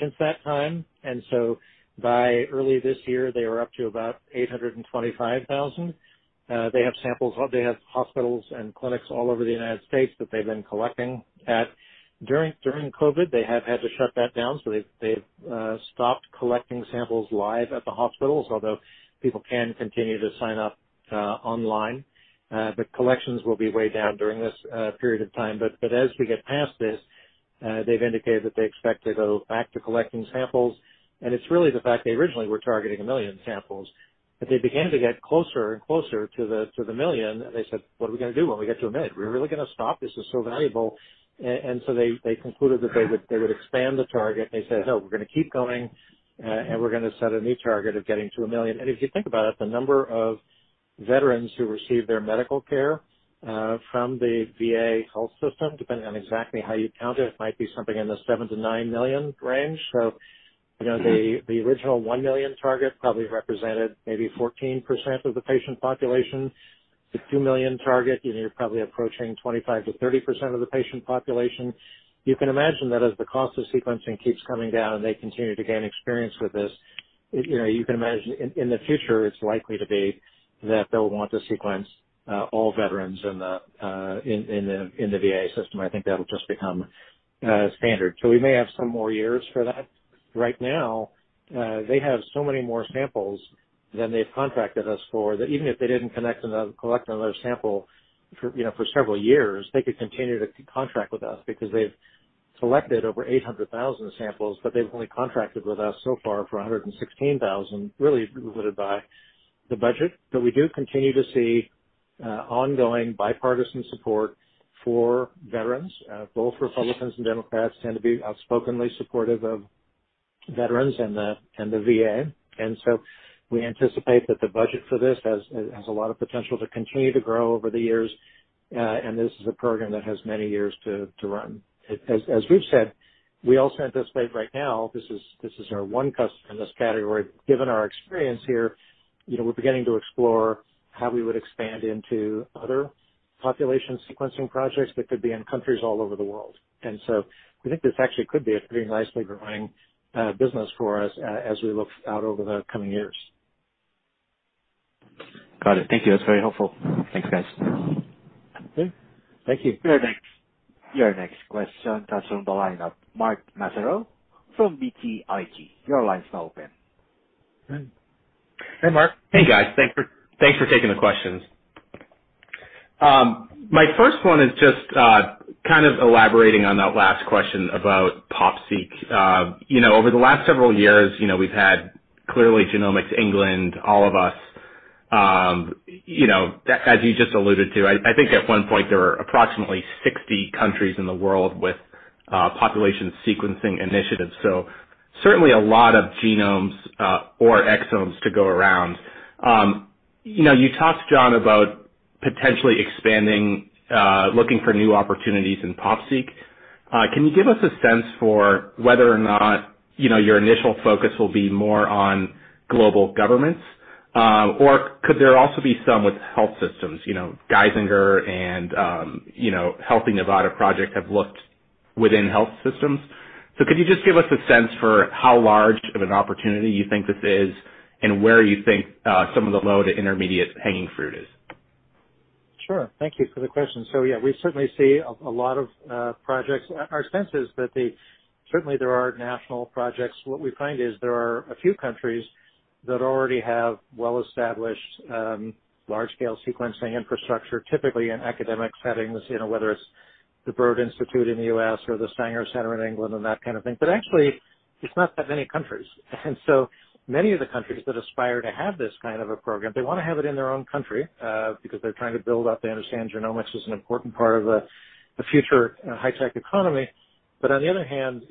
C: since that time, and by early this year, they were up to about 825,000. They have samples, they have hospitals and clinics all over the United States that they've been collecting. During COVID, they have had to shut that down, so they've stopped collecting samples live at the hospitals, although people can continue to sign up online. The collections will be way down during this period of time, but as we get past this, they've indicated that they expect to go back to collecting samples, and it's really the fact they originally were targeting 1 million samples, but they began to get closer and closer to the million, and they said, "What are we going to do when we get to a million? We're really going to stop? This is so valuable." They concluded that they would expand the target, and they said, "No, we're going to keep going, and we're going to set a new target of getting to 1 million." If you think about it, the number of veterans who receive their medical care from the VA health system, depending on exactly how you count it, it might be something in the 7 million-9 million range. The original 1 million target probably represented maybe 14% of the patient population. The 2 million target, you're probably approaching 25%-30% of the patient population. You can imagine that as the cost of sequencing keeps coming down and they continue to gain experience with this, you can imagine in the future, it's likely to be that they'll want to sequence all veterans in the VA system. I think that'll just become standard. We may have some more years for that. Right now, they have so many more samples than they've contracted us for that even if they didn't collect another sample for several years, they could continue to contract with us because they've collected over 800,000 samples, but they've only contracted with us so far for 116,000, really limited by the budget. We do continue to see ongoing bipartisan support for veterans. Both Republicans and Democrats tend to be outspokenly supportive of veterans and the VA, and we anticipate that the budget for this has a lot of potential to continue to grow over the years. This is a program that has many years to run. As we've said, we also anticipate right now, this is our one customer in this category. Given our experience here, we're beginning to explore how we would expand into other population sequencing projects that could be in countries all over the world, and we think this actually could be a pretty nicely growing business for us as we look out over the coming years.
H: Got it. Thank you. That's very helpful. Thanks, guys.
C: Thank you.
A: Your next question comes from the line of Mark Massaro from BTIG. Your line is now open.
I: Hey, Mark.
J: Hey, guys. Thanks for taking the questions. My first one is just kind of elaborating on that last question about PopSeq. Over the last several years, we've had clearly Genomics England, All of Us. As you just alluded to, I think at one point there were approximately 60 countries in the world with population sequencing initiatives, so certainly a lot of genomes or exomes to go around. You talked, John, about potentially expanding, looking for new opportunities in PopSeq. Can you give us a sense for whether or not your initial focus will be more on global governments, or could there also be some with health systems? Geisinger and Healthy Nevada Project have looked within health systems. Could you just give us a sense for how large of an opportunity you think this is and where you think some of the low to intermediate hanging fruit is?
C: Sure. Thank you for the question. Yeah, we certainly see a lot of projects. Our sense is that certainly there are national projects. What we find is there are a few countries that already have well-established large-scale sequencing infrastructure, typically in academic settings, whether it's the Broad Institute in the U.S. or the Sanger Center in England and that kind of thing, but actually, it's not that many countries. Many of the countries that aspire to have this kind of a program, they want to have it in their own country because they're trying to build up. They understand genomics is an important part of the future high-tech economy, but on the other hand,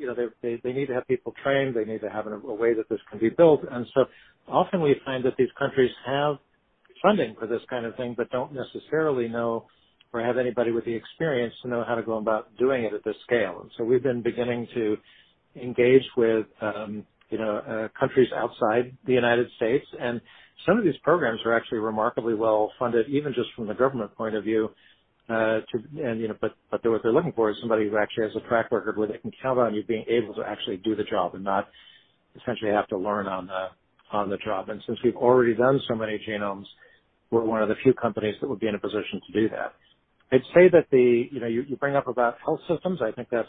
C: they need to have people trained. They need to have a way that this can be built, and so often we find that these countries have funding for this kind of thing but do not necessarily know or have anybody with the experience to know how to go about doing it at this scale. We have been beginning to engage with countries outside the U.S., and some of these programs are actually remarkably well-funded, even just from the government point of view, but what they are looking for is somebody who actually has a track record where they can count on you being able to actually do the job and not essentially have to learn on the job. Since we have already done so many genomes, we are one of the few companies that would be in a position to do that. I would say that you bring up about health systems. I think that's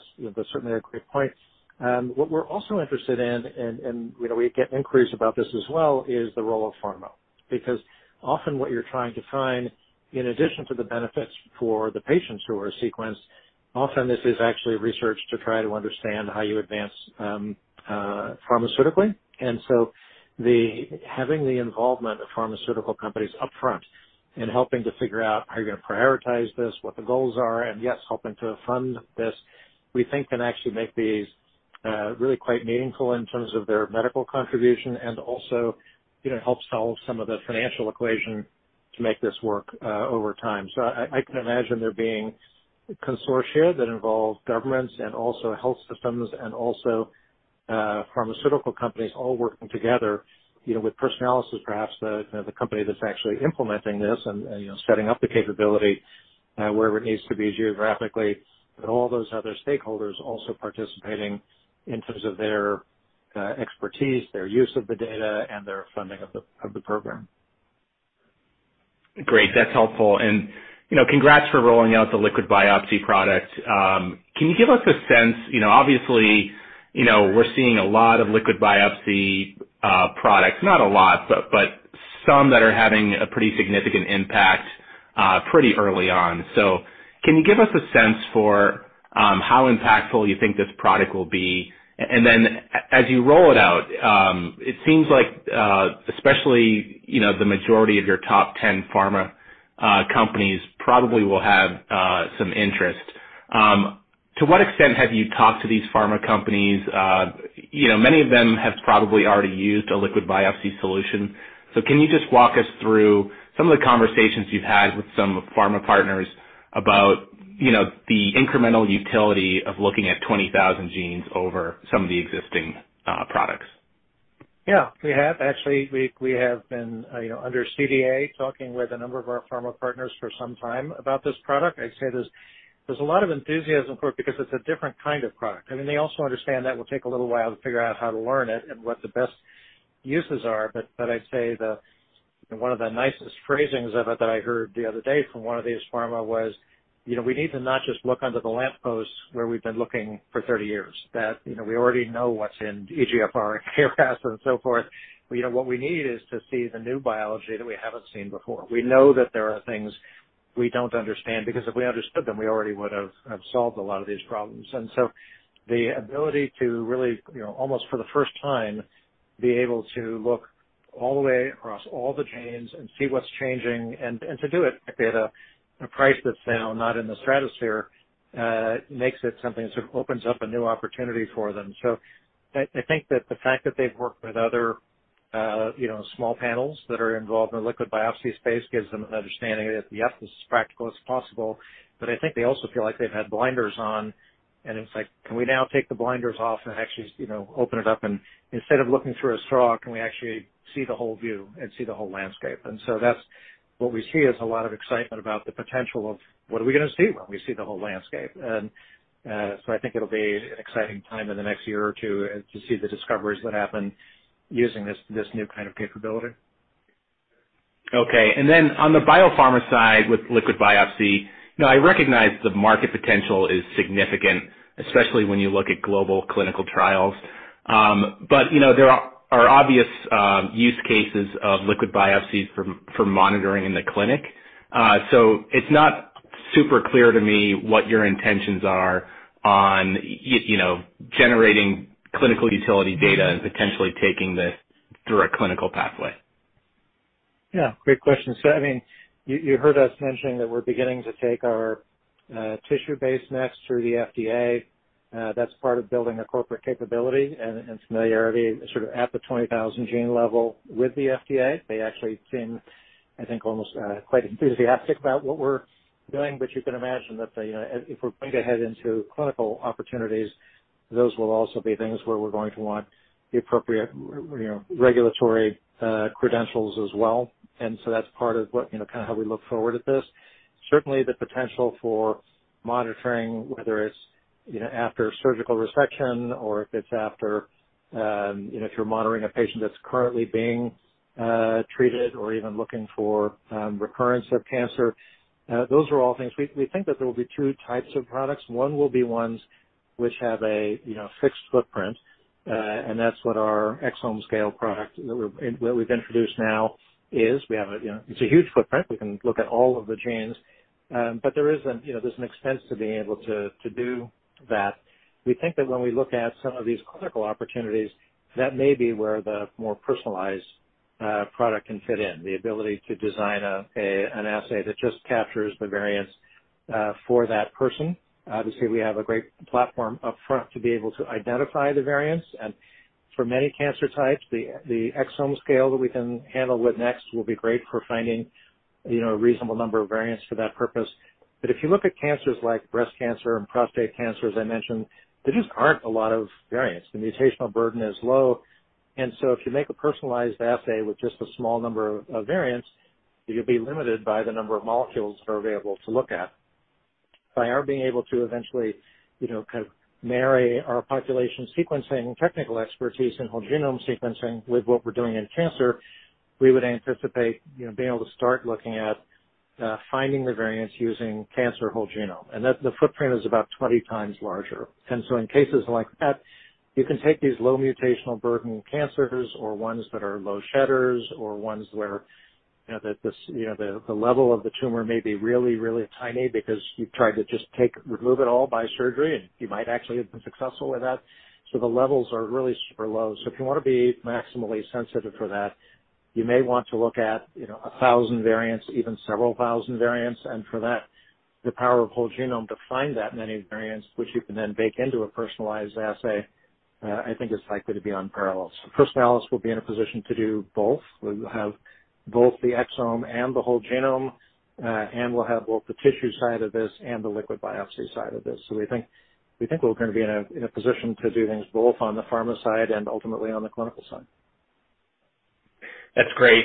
C: certainly a great point. What we're also interested in, and we get inquiries about this as well, is the role of pharma because often what you're trying to find, in addition to the benefits for the patients who are sequenced, often this is actually research to try to understand how you advance pharmaceutically. Having the involvement of pharmaceutical companies upfront and helping to figure out how you're going to prioritize this, what the goals are, and yes, helping to fund this, we think can actually make these really quite meaningful in terms of their medical contribution and also help solve some of the financial equation to make this work over time. I can imagine there being a consortia that involves governments and also health systems and also pharmaceutical companies all working together with Personalis as perhaps the company that's actually implementing this and setting up the capability wherever it needs to be geographically, but all those other stakeholders also participating in terms of their expertise, their use of the data, and their funding of the program.
J: Great. That's helpful. And congrats for rolling out the liquid biopsy product. Can you give us a sense? Obviously, we're seeing a lot of liquid biopsy products, not a lot, but some that are having a pretty significant impact pretty early on. Can you give us a sense for how impactful you think this product will be? As you roll it out, it seems like especially the majority of your top 10 pharma companies probably will have some interest. To what extent have you talked to these pharma companies? Many of them have probably already used a liquid biopsy solution, so can you just walk us through some of the conversations you've had with some of the pharma partners about the incremental utility of looking at 20,000 genes over some of the existing products?
C: Yeah. We have. Actually, we have been under CDA talking with a number of our pharma partners for some time about this product. I'd say there's a lot of enthusiasm for it because it's a different kind of product. I mean, they also understand that it will take a little while to figure out how to learn it and what the best uses are, but I'd say one of the nicest phrasings of it that I heard the other day from one of these pharma was, "We need to not just look under the lampposts where we've been looking for 30 years. We already know what's in eGFR and KRAS and so forth. What we need is to see the new biology that we haven't seen before. We know that there are things we do not understand because if we understood them, we already would have solved a lot of these problems. The ability to really, almost for the first time, be able to look all the way across all the genes and see what is changing and to do it at a price that is now not in the stratosphere makes it something that sort of opens up a new opportunity for them. I think that the fact that they've worked with other small panels that are involved in the liquid biopsy space gives them an understanding that, yes, this is practical as possible, but I think they also feel like they've had blinders on, and it's like, "Can we now take the blinders off and actually open it up?" Instead of looking through a straw, can we actually see the whole view and see the whole landscape? That is what we see is a lot of excitement about the potential of, "What are we going to see when we see the whole landscape?" I think it'll be an exciting time in the next year or two to see the discoveries that happen using this new kind of capability.
J: Okay. On the biopharma side with liquid biopsy, I recognize the market potential is significant, especially when you look at global clinical trials, but there are obvious use cases of liquid biopsies for monitoring in the clinic. It is not super clear to me what your intentions are on generating clinical utility data and potentially taking this through a clinical pathway.
C: Yeah. Great question. I mean, you heard us mentioning that we're beginning to take our tissue-based NeXT through the FDA. That's part of building a corporate capability and familiarity sort of at the 20,000-gene level with the FDA. They actually seem, I think, almost quite enthusiastic about what we're doing, but you can imagine that if we're going to head into clinical opportunities, those will also be things where we're going to want the appropriate regulatory credentials as well, and that's part of kind of how we look forward at this. Certainly, the potential for monitoring, whether it's after surgical resection or if it's after if you're monitoring a patient that's currently being treated or even looking for recurrence of cancer, those are all things we think that there will be two types of products. One will be ones which have a fixed footprint, and that's what our exome scale product that we've introduced now is. It's a huge footprint. We can look at all of the genes, but there is an expense to being able to do that. We think that when we look at some of these clinical opportunities, that may be where the more personalized product can fit in, the ability to design an assay that just captures the variants for that person. Obviously, we have a great platform upfront to be able to identify the variants, and for many cancer types, the exome scale that we can handle with NeXT will be great for finding a reasonable number of variants for that purpose. If you look at cancers like breast cancer and prostate cancer, as I mentioned, there just aren't a lot of variants. The mutational burden is low, and so if you make a personalized assay with just a small number of variants, you'll be limited by the number of molecules that are available to look at. By our being able to eventually kind of marry our population sequencing technical expertise and whole genome sequencing with what we're doing in cancer, we would anticipate being able to start looking at finding the variants using cancer whole genome, and the footprint is about 20 times larger. In cases like that, you can take these low mutational burden cancers or ones that are low shedders or ones where the level of the tumor may be really, really tiny because you've tried to just remove it all by surgery, and you might actually have been successful with that. The levels are really super low. If you want to be maximally sensitive for that, you may want to look at 1,000 variants, even several thousand variants, and for that, the power of whole genome to find that many variants, which you can then bake into a personalized assay, I think is likely to be unparalleled. Personalis will be in a position to do both. We'll have both the exome and the whole genome, and we'll have both the tissue side of this and the liquid biopsy side of this. We think we're going to be in a position to do things both on the pharma side and ultimately on the clinical side.
J: That's great.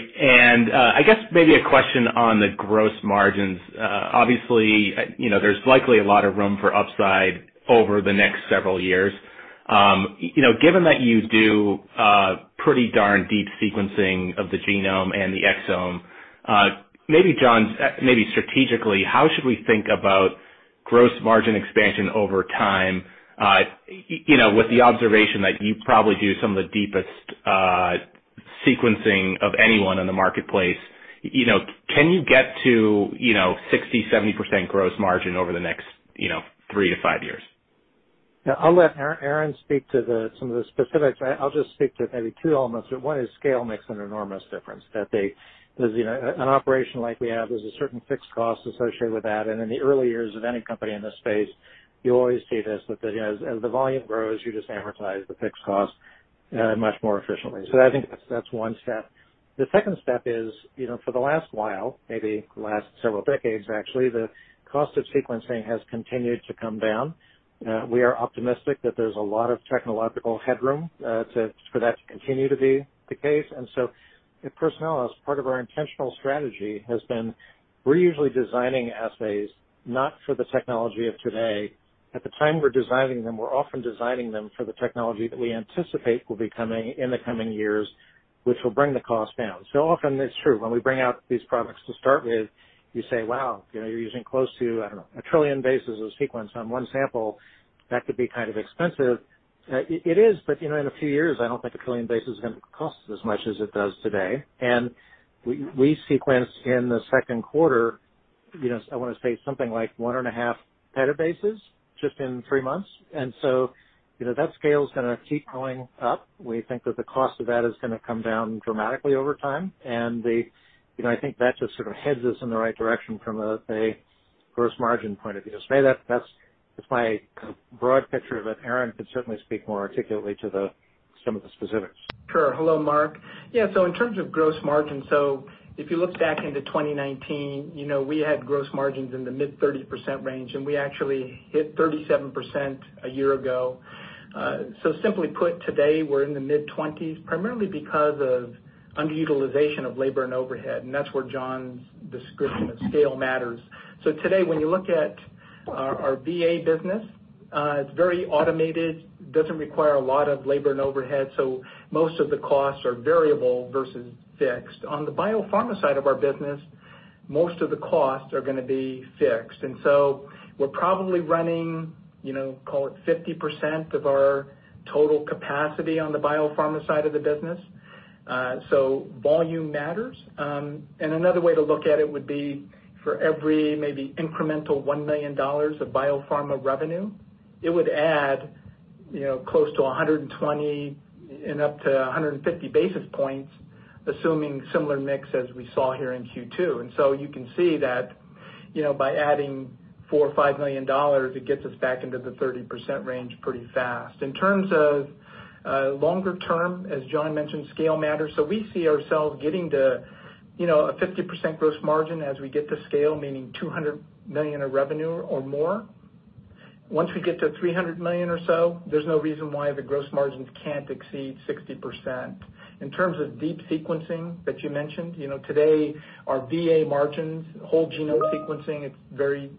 J: I guess maybe a question on the gross margins. Obviously, there's likely a lot of room for upside over the next several years. Given that you do pretty darn deep sequencing of the genome and the exome, maybe, John, strategically, how should we think about gross margin expansion over time with the observation that you probably do some of the deepest sequencing of anyone in the marketplace? Can you get to 60%-70% gross margin over the next three to five years?
C: Yeah. I'll let Aaron speak to some of the specifics. I'll just speak to maybe two elements. One is scale makes an enormous difference. An operation like we have, there's a certain fixed cost associated with that, and in the early years of any company in this space, you always see this, that as the volume grows, you just amortize the fixed cost much more efficiently. I think that's one step. The second step is, for the last while, maybe the last several decades, actually, the cost of sequencing has continued to come down. We are optimistic that there's a lot of technological headroom for that to continue to be the case, and at Personalis, part of our intentional strategy has been we're usually designing assays not for the technology of today. At the time we're designing them, we're often designing them for the technology that we anticipate will be coming in the coming years, which will bring the cost down. Often, it's true. When we bring out these products to start with, you say, "Wow, you're using close to, I don't know, a trillion bases of sequence on one sample. That could be kind of expensive." It is, but in a few years, I don't think a trillion bases is going to cost as much as it does today, and we sequenced in the second quarter, I want to say, something like one and a half petabases just in three months, and that scale is going to keep going up. We think that the cost of that is going to come down dramatically over time, and I think that just sort of heads us in the right direction from a gross margin point of view. Maybe that's my broad picture, but Aaron can certainly speak more articulately to some of the specifics.
D: Sure. Hello, Mark. Yeah. In terms of gross margin, if you look back into 2019, we had gross margins in the mid-30% range, and we actually hit 37% a year ago. Simply put, today, we're in the mid-20% primarily because of underutilization of labor and overhead, and that's where John's description of scale matters. Today, when you look at our VA business, it's very automated, doesn't require a lot of labor and overhead, so most of the costs are variable versus fixed. On the biopharma side of our business, most of the costs are going to be fixed, and we're probably running, call it, 50% of our total capacity on the biopharma side of the business. Volume matters. Another way to look at it would be for every maybe incremental $1 million of biopharma revenue, it would add close to 120 and up to 150 basis points, assuming similar mix as we saw here in Q2. You can see that by adding $4 million-$5 million, it gets us back into the 30% range pretty fast. In terms of longer term, as John mentioned, scale matters. We see ourselves getting to a 50% gross margin as we get to scale, meaning $200 million of revenue or more. Once we get to $300 million or so, there is no reason why the gross margins cannot exceed 60%. In terms of deep sequencing that you mentioned, today, our VA margins, whole genome sequencing, it is very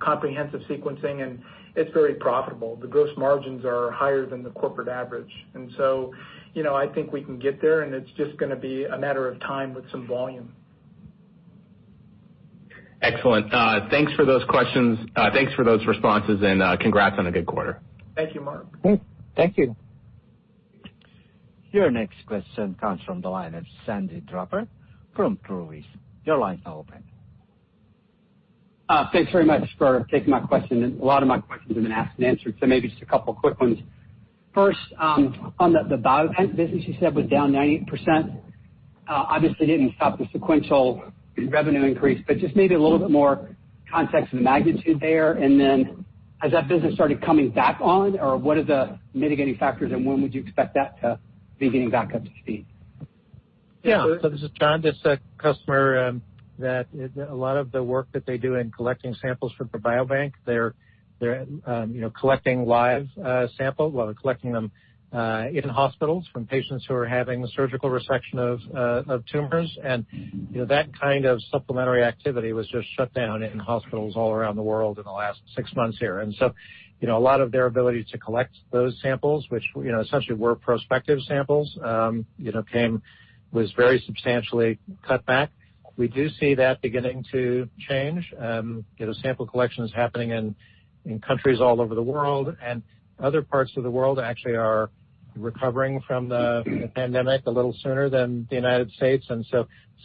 D: comprehensive sequencing, and it is very profitable. The gross margins are higher than the corporate average, and so I think we can get there, and it's just going to be a matter of time with some volume.
J: Excellent. Thanks for those questions. Thanks for those responses, and congrats on the good quarter.
C: Thank you, Mark.
A: Thank you. Your next question comes from the line of Sandy Dropper from Prue East. Your line's open.
K: Thanks very much for taking my question. A lot of my questions have been asked and answered, so maybe just a couple of quick ones. First, on the biobank business, you said was down 90%. Obviously, it did not stop the sequential revenue increase, but just maybe a little bit more context of the magnitude there. Has that business started coming back on, or what are the mitigating factors, and when would you expect that to be getting back up to speed?
C: Yeah. This is John. This is a customer that a lot of the work that they do in collecting samples for the biobank, they're collecting live samples while they're collecting them in hospitals from patients who are having surgical resection of tumors, and that kind of supplementary activity was just shut down in hospitals all around the world in the last six months here. A lot of their ability to collect those samples, which essentially were prospective samples, was very substantially cut back. We do see that beginning to change. Sample collection is happening in countries all over the world, and other parts of the world actually are recovering from the pandemic a little sooner than the United States, and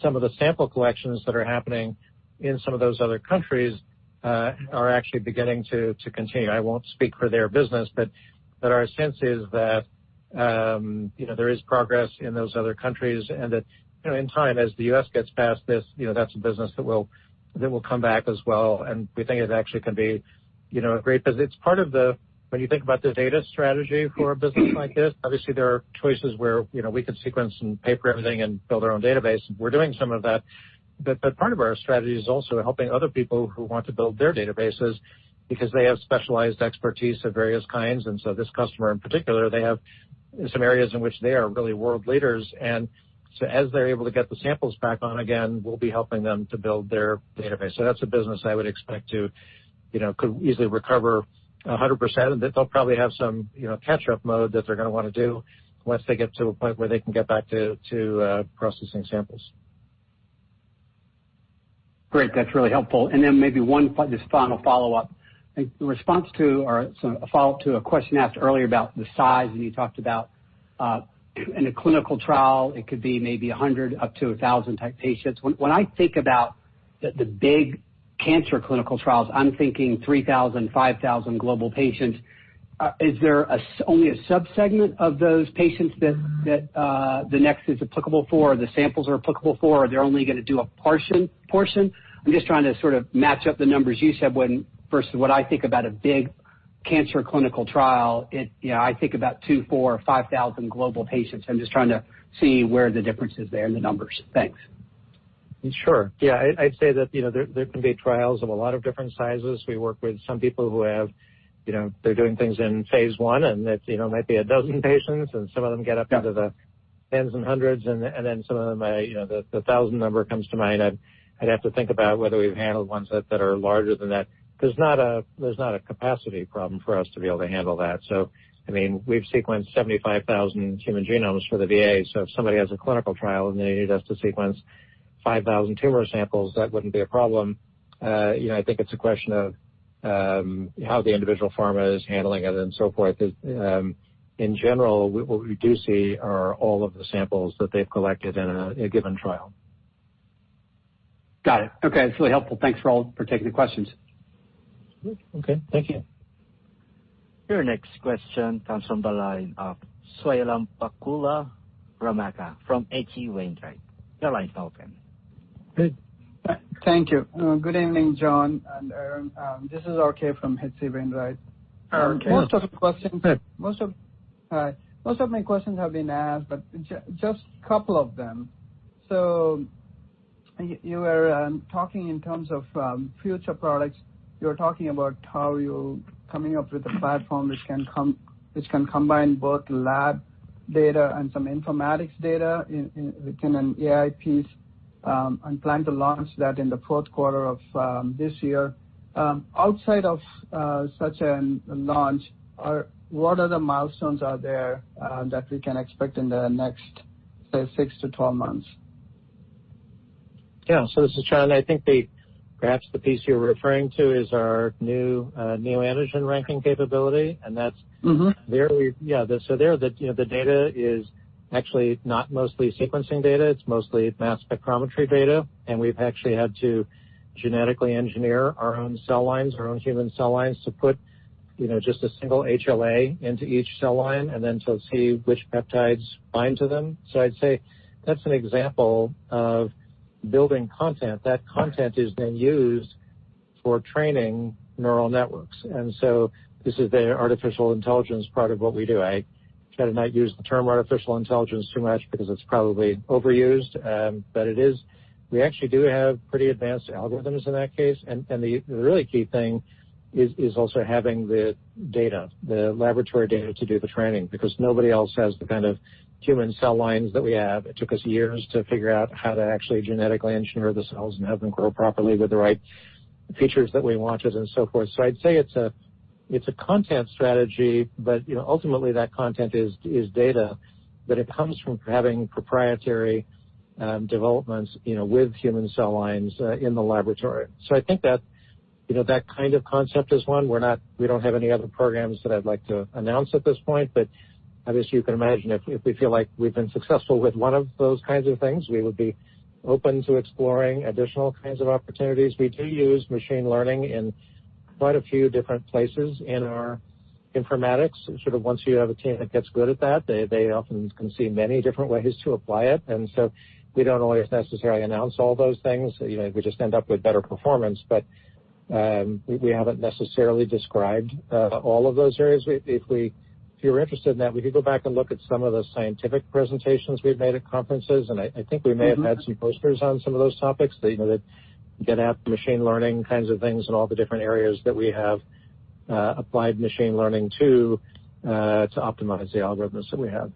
C: some of the sample collections that are happening in some of those other countries are actually beginning to continue. I won't speak for their business, but our sense is that there is progress in those other countries and that in time, as the U.S. gets past this, that's a business that will come back as well, and we think it actually can be a great business. It's part of the when you think about the data strategy for a business like this, obviously, there are choices where we can sequence and paper everything and build our own database. We're doing some of that, but part of our strategy is also helping other people who want to build their databases because they have specialized expertise of various kinds. This customer in particular, they have some areas in which they are really world leaders, and as they're able to get the samples back on again, we'll be helping them to build their database. That's a business I would expect to could easily recover 100%, and they'll probably have some catch-up mode that they're going to want to do once they get to a point where they can get back to processing samples.
K: Great. That's really helpful. Maybe one final follow-up. The response to a follow-up to a question asked earlier about the size, and you talked about in a clinical trial, it could be maybe 100 up to 1,000-type patients. When I think about the big cancer clinical trials, I'm thinking 3,000, 5,000 global patients. Is there only a subsegment of those patients that the NeXT is applicable for, or the samples are applicable for, or they're only going to do a portion? I'm just trying to sort of match up the numbers you said versus what I think about a big cancer clinical trial. I think about 2,000, 4,000, 5,000 global patients. I'm just trying to see where the difference is there in the numbers. Thanks.
C: Sure. Yeah. I'd say that there can be trials of a lot of different sizes. We work with some people who have they're doing things in phase one, and it might be a dozen patients, and some of them get up into the tens and hundreds, and then some of them the thousand number comes to mind. I'd have to think about whether we've handled ones that are larger than that. There's not a capacity problem for us to be able to handle that. I mean, we've sequenced 75,000 human genomes for the VA, so if somebody has a clinical trial and they need us to sequence 5,000 tumor samples, that wouldn't be a problem. I think it's a question of how the individual pharma is handling it and so forth. In general, what we do see are all of the samples that they've collected in a given trial.
K: Got it. Okay. That's really helpful. Thanks for all for taking the questions.
C: Okay. Thank you.
A: Your next question comes from the line of Swayampakula Ramakanth from H.C. Wainwright. Your line's open.
L: Thank you. Good evening, John and Aaron. This is RK from H.C. Wainwright. Most of my questions have been asked, but just a couple of them. You were talking in terms of future products. You were talking about how you're coming up with a platform which can combine both lab data and some informatics data within an AI piece and plan to launch that in the fourth quarter of this year. Outside of such a launch, what other milestones are there that we can expect in the next, say, six to 12 months?
C: Yeah. This is John. I think perhaps the piece you're referring to is our new neoantigens ranking capability, and that's very, yeah. There, the data is actually not mostly sequencing data. It's mostly mass spectrometry data, and we've actually had to genetically engineer our own cell lines, our own human cell lines, to put just a single HLA into each cell line and then to see which peptides bind to them. I'd say that's an example of building content. That content is then used for training neural networks, and this is the artificial intelligence part of what we do. I try to not use the term artificial intelligence too much because it's probably overused, but it is. We actually do have pretty advanced algorithms in that case, and the really key thing is also having the data, the laboratory data to do the training because nobody else has the kind of human cell lines that we have. It took us years to figure out how to actually genetically engineer the cells and have them grow properly with the right features that we wanted and so forth. I'd say it's a content strategy, but ultimately, that content is data that comes from having proprietary developments with human cell lines in the laboratory. I think that kind of concept is one. We do not have any other programs that I'd like to announce at this point, but obviously, you can imagine if we feel like we've been successful with one of those kinds of things, we would be open to exploring additional kinds of opportunities. We do use machine learning in quite a few different places in our informatics. Sort of once you have a team that gets good at that, they often can see many different ways to apply it, and we do not always necessarily announce all those things. We just end up with better performance, but we have not necessarily described all of those areas. If you are interested in that, we could go back and look at some of the scientific presentations we have made at conferences, and I think we may have had some posters on some of those topics that get at machine learning kinds of things and all the different areas that we have applied machine learning to to optimize the algorithms that we have.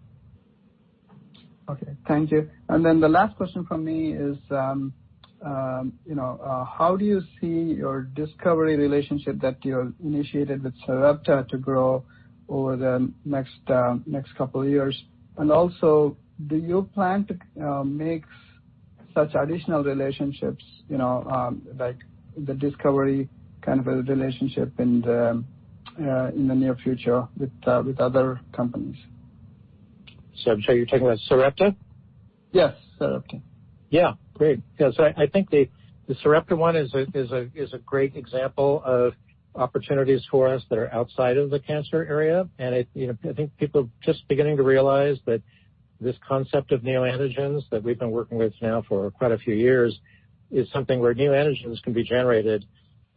L: Okay. Thank you. The last question from me is, how do you see your discovery relationship that you initiated with Sarepta to grow over the next couple of years? Also, do you plan to make such additional relationships like the discovery kind of relationship in the near future with other companies?
C: I'm sorry. You're talking about Sarepta?
L: Yes. Sarepta.
C: Yeah. Great. Yeah. I think the Sarepta one is a great example of opportunities for us that are outside of the cancer area, and I think people are just beginning to realize that this concept of neoantigens that we've been working with now for quite a few years is something where neoantigens can be generated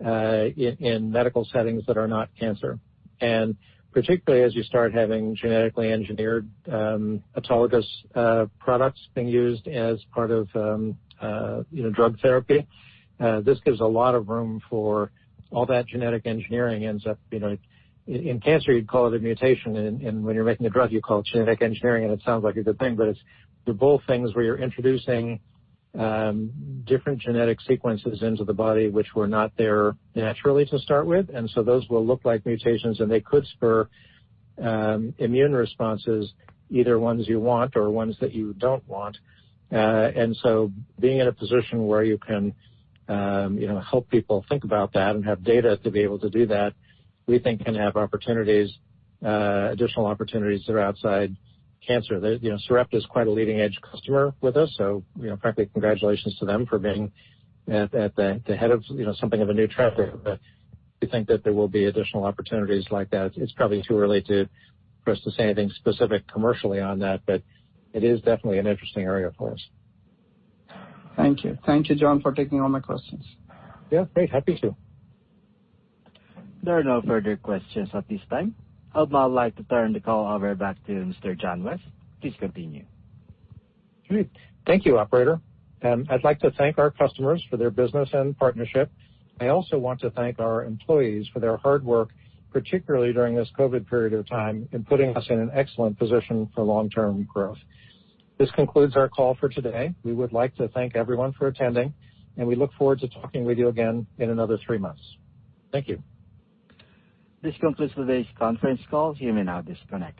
C: in medical settings that are not cancer. Particularly as you start having genetically engineered autologous products being used as part of drug therapy, this gives a lot of room for all that genetic engineering ends up in cancer, you'd call it a mutation, and when you're making a drug, you call it genetic engineering, and it sounds like a good thing, but they're both things where you're introducing different genetic sequences into the body which were not there naturally to start with, and so those will look like mutations, and they could spur immune responses, either ones you want or ones that you don't want. Being in a position where you can help people think about that and have data to be able to do that, we think can have opportunities, additional opportunities that are outside cancer. Sarepta is quite a leading-edge customer with us, so frankly, congratulations to them for being at the head of something of a new trend. We think that there will be additional opportunities like that. It's probably too early for us to say anything specific commercially on that, but it is definitely an interesting area for us.
L: Thank you. Thank you, John, for taking all my questions.
C: Yeah. Great. Happy to.
A: There are no further questions at this time. I would now like to turn the call over back to Mr. John West. Please continue.
C: Great. Thank you, Operator. I'd like to thank our customers for their business and partnership. I also want to thank our employees for their hard work, particularly during this COVID period of time, in putting us in an excellent position for long-term growth. This concludes our call for today. We would like to thank everyone for attending, and we look forward to talking with you again in another three months. Thank you.
A: This concludes today's conference call. You may now disconnect.